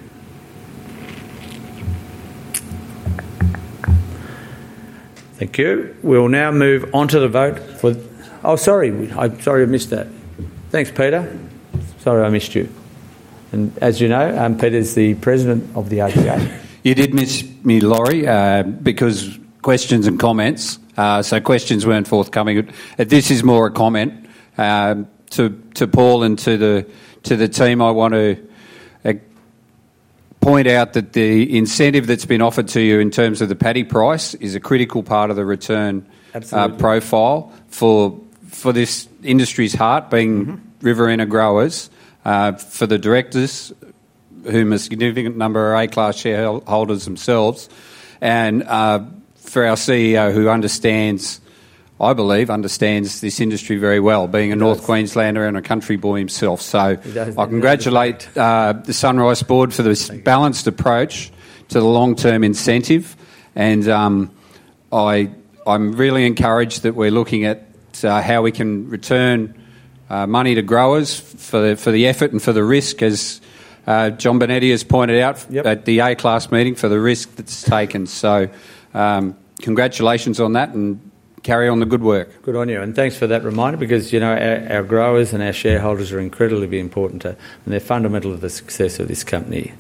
Thank you. We will now move on to the vote I'm sorry I missed that. Thanks, Peter. Sorry I missed you. And as you know, Peter's the president of the ADA. You did miss me, Laurie, because questions and comments. So questions weren't forthcoming. This is more a comment to Paul and to the team. I want to point out that the incentive that's been offered to you in terms of the paddy price is a critical part of the return for this industry's heart being Riverina Growers, for the directors whom a significant number of A Class shareholders themselves, and for our CEO who understands I believe understands this industry very well, being a North Queenslander and a country boy himself. So I congratulate the Sunrise Board for this balanced approach to the long term incentive. And I'm really encouraged that we're looking at how we can return money to growers for the effort and for the risk as John Bonetti has pointed out at the A Class meeting for the risk that's taken. So congratulations on that and carry on the good work. Good on you and thanks for that reminder because our growers and our shareholders are incredibly important and they're fundamental to the success of this company.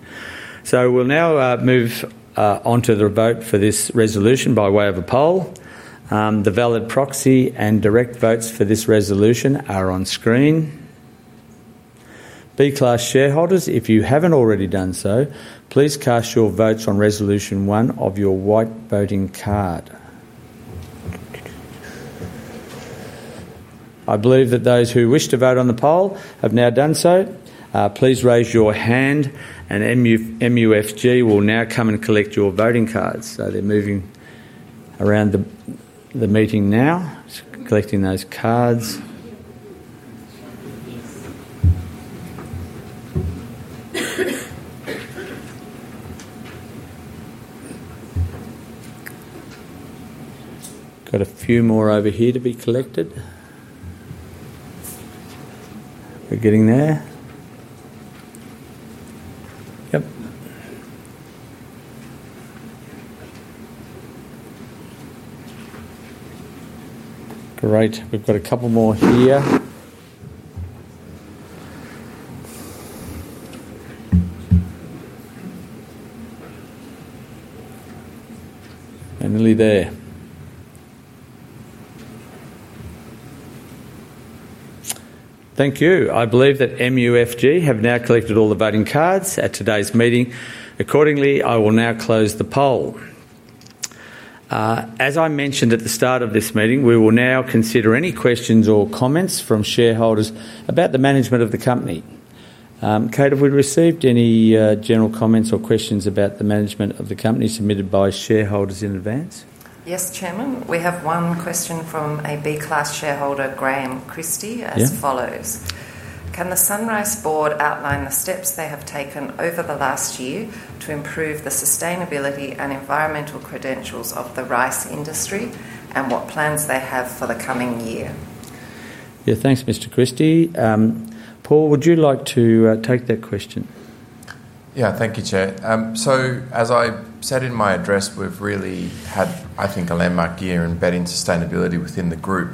So we'll now move on to the vote for this resolution by way of a poll. The valid proxy and direct votes for this resolution are on screen. B class shareholders, if you haven't already done so, please cast your votes on resolution one of your white voting card. I believe that those who wish to vote on the poll have now done so. Please raise your hand and MUFG will now come and collect your voting cards. So they're moving around the meeting now, collecting those cards. Got a few more over here to be collected. We're getting there. Yep. Great. We've got a couple more here. Nearly there. Thank you. I believe that MUFG have now collected all the voting cards at today's meeting. Accordingly, I will now close the poll. As I mentioned at the start of this meeting, we will now consider any questions or comments from shareholders about the management of the company. Kate, have we received any general comments or questions about the management of the company submitted by shareholders in advance? Yes, Chairman. We have one question from a B Class shareholder, Graham Christie, as follows. Can the Sunrise Board outline the steps they have taken over the last year to improve the sustainability and environmental credentials of the rice industry and what plans they have for the coming year? Thanks, Mr Christie. Paul, would you like to take that question? Yes, thank you, Chair. So as I said in my address, we've really had, I think, a landmark year embedding sustainability within the group.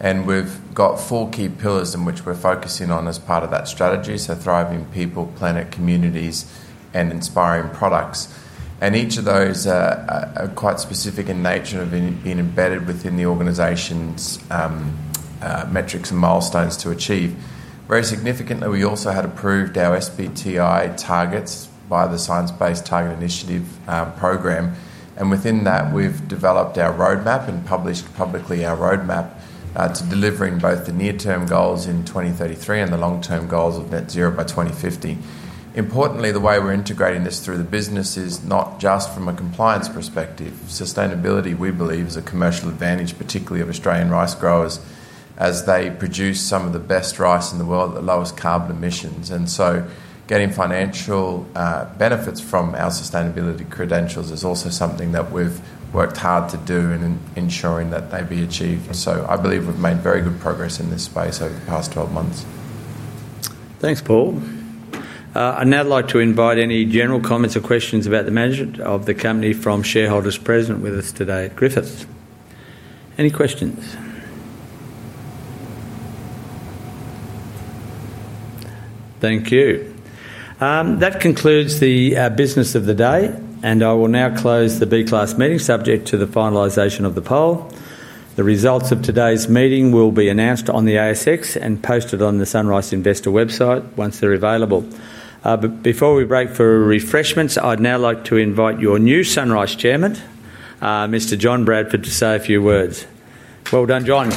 And we've got four key pillars in which we're focusing on as part of that strategy, so thriving people, planet, communities, and inspiring products. And each of those are quite specific in nature of being embedded within the organization's metrics and milestones to achieve. Very significantly, we also had approved our SPTI targets by the science based target initiative program, and within that, we've developed our roadmap and published publicly our roadmap to delivering both the near term goals in 2033 and the long term goals of net zero by 02/1950. Importantly, the way we're integrating this through the business is not just from a compliance perspective. Sustainability, we believe, is a commercial advantage, particularly of Australian rice growers as they produce some of the best rice in the world at the lowest carbon emissions. And so getting financial benefits from our sustainability credentials is also something that we've worked hard to do in ensuring that they be achieved. So I believe we've made very good progress in this space over the past twelve months. Thanks, Paul. I'd now like to invite any general comments or questions about the management of the company from shareholders present with us today at Griffith. Any questions? Thank you. That concludes the business of the day and I will now close the B class meeting subject to the finalisation of the poll. The results of today's meeting will be announced on the ASX and posted on the Sunrise Investor website once they're available. Before we break for refreshments, I'd now like to invite your new Sunrise Chairman, Mr. John Bradford, to say a few words. Well done, John.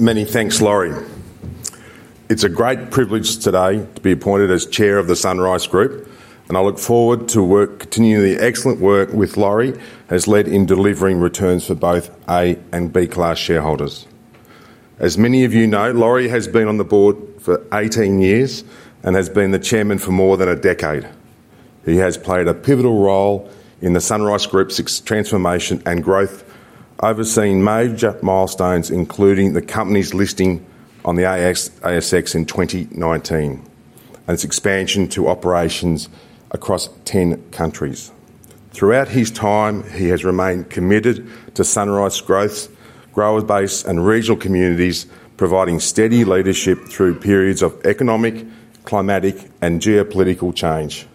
Many thanks, Laurie. It's a great privilege today to be appointed as Chair of the Sunrise Group, and I look forward to work continuing the excellent work with Lawrie has led in delivering returns for both A and B class shareholders. As many of you know, Lawrie has been on the Board for eighteen years and has been the Chairman for more than a decade. He has played a pivotal role in the Sunrise Group's transformation and growth, overseeing major milestones, including the company's listing on the ASX in 2019 and its expansion to operations across 10 countries. Throughout his time, he has remained committed to Sunrise growth, grower base and regional communities providing steady leadership through periods of economic, climatic and geopolitical change.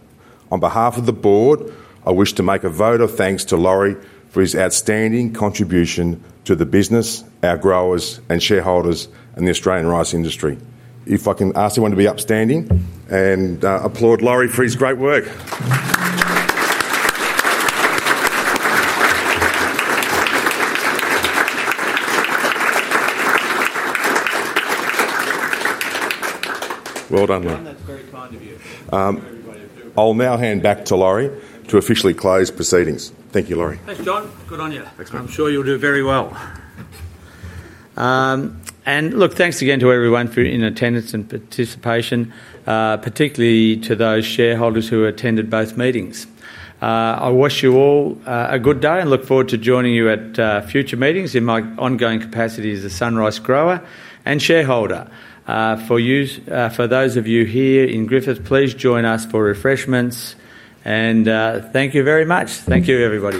On behalf of the board, I wish to make a vote of thanks to Laurie for his outstanding contribution to the business, our growers, and shareholders, and the Australian rice industry. If I can ask someone to be upstanding and, applaud Laurie for his great work. Well done, Laurie. I'll now hand back to Laurie to officially close proceedings. Thank you, Laurie. Thanks, John. Good on you. I'm sure you'll do very well. And look, thanks again to everyone for your attendance and participation, particularly to those shareholders who attended both meetings. I wish you all a good day and look forward to joining you at future meetings in my ongoing capacity as a Sunrise grower and shareholder. For use for those of you here in Griffith, please join us for refreshments and thank you very much. Thank you everybody.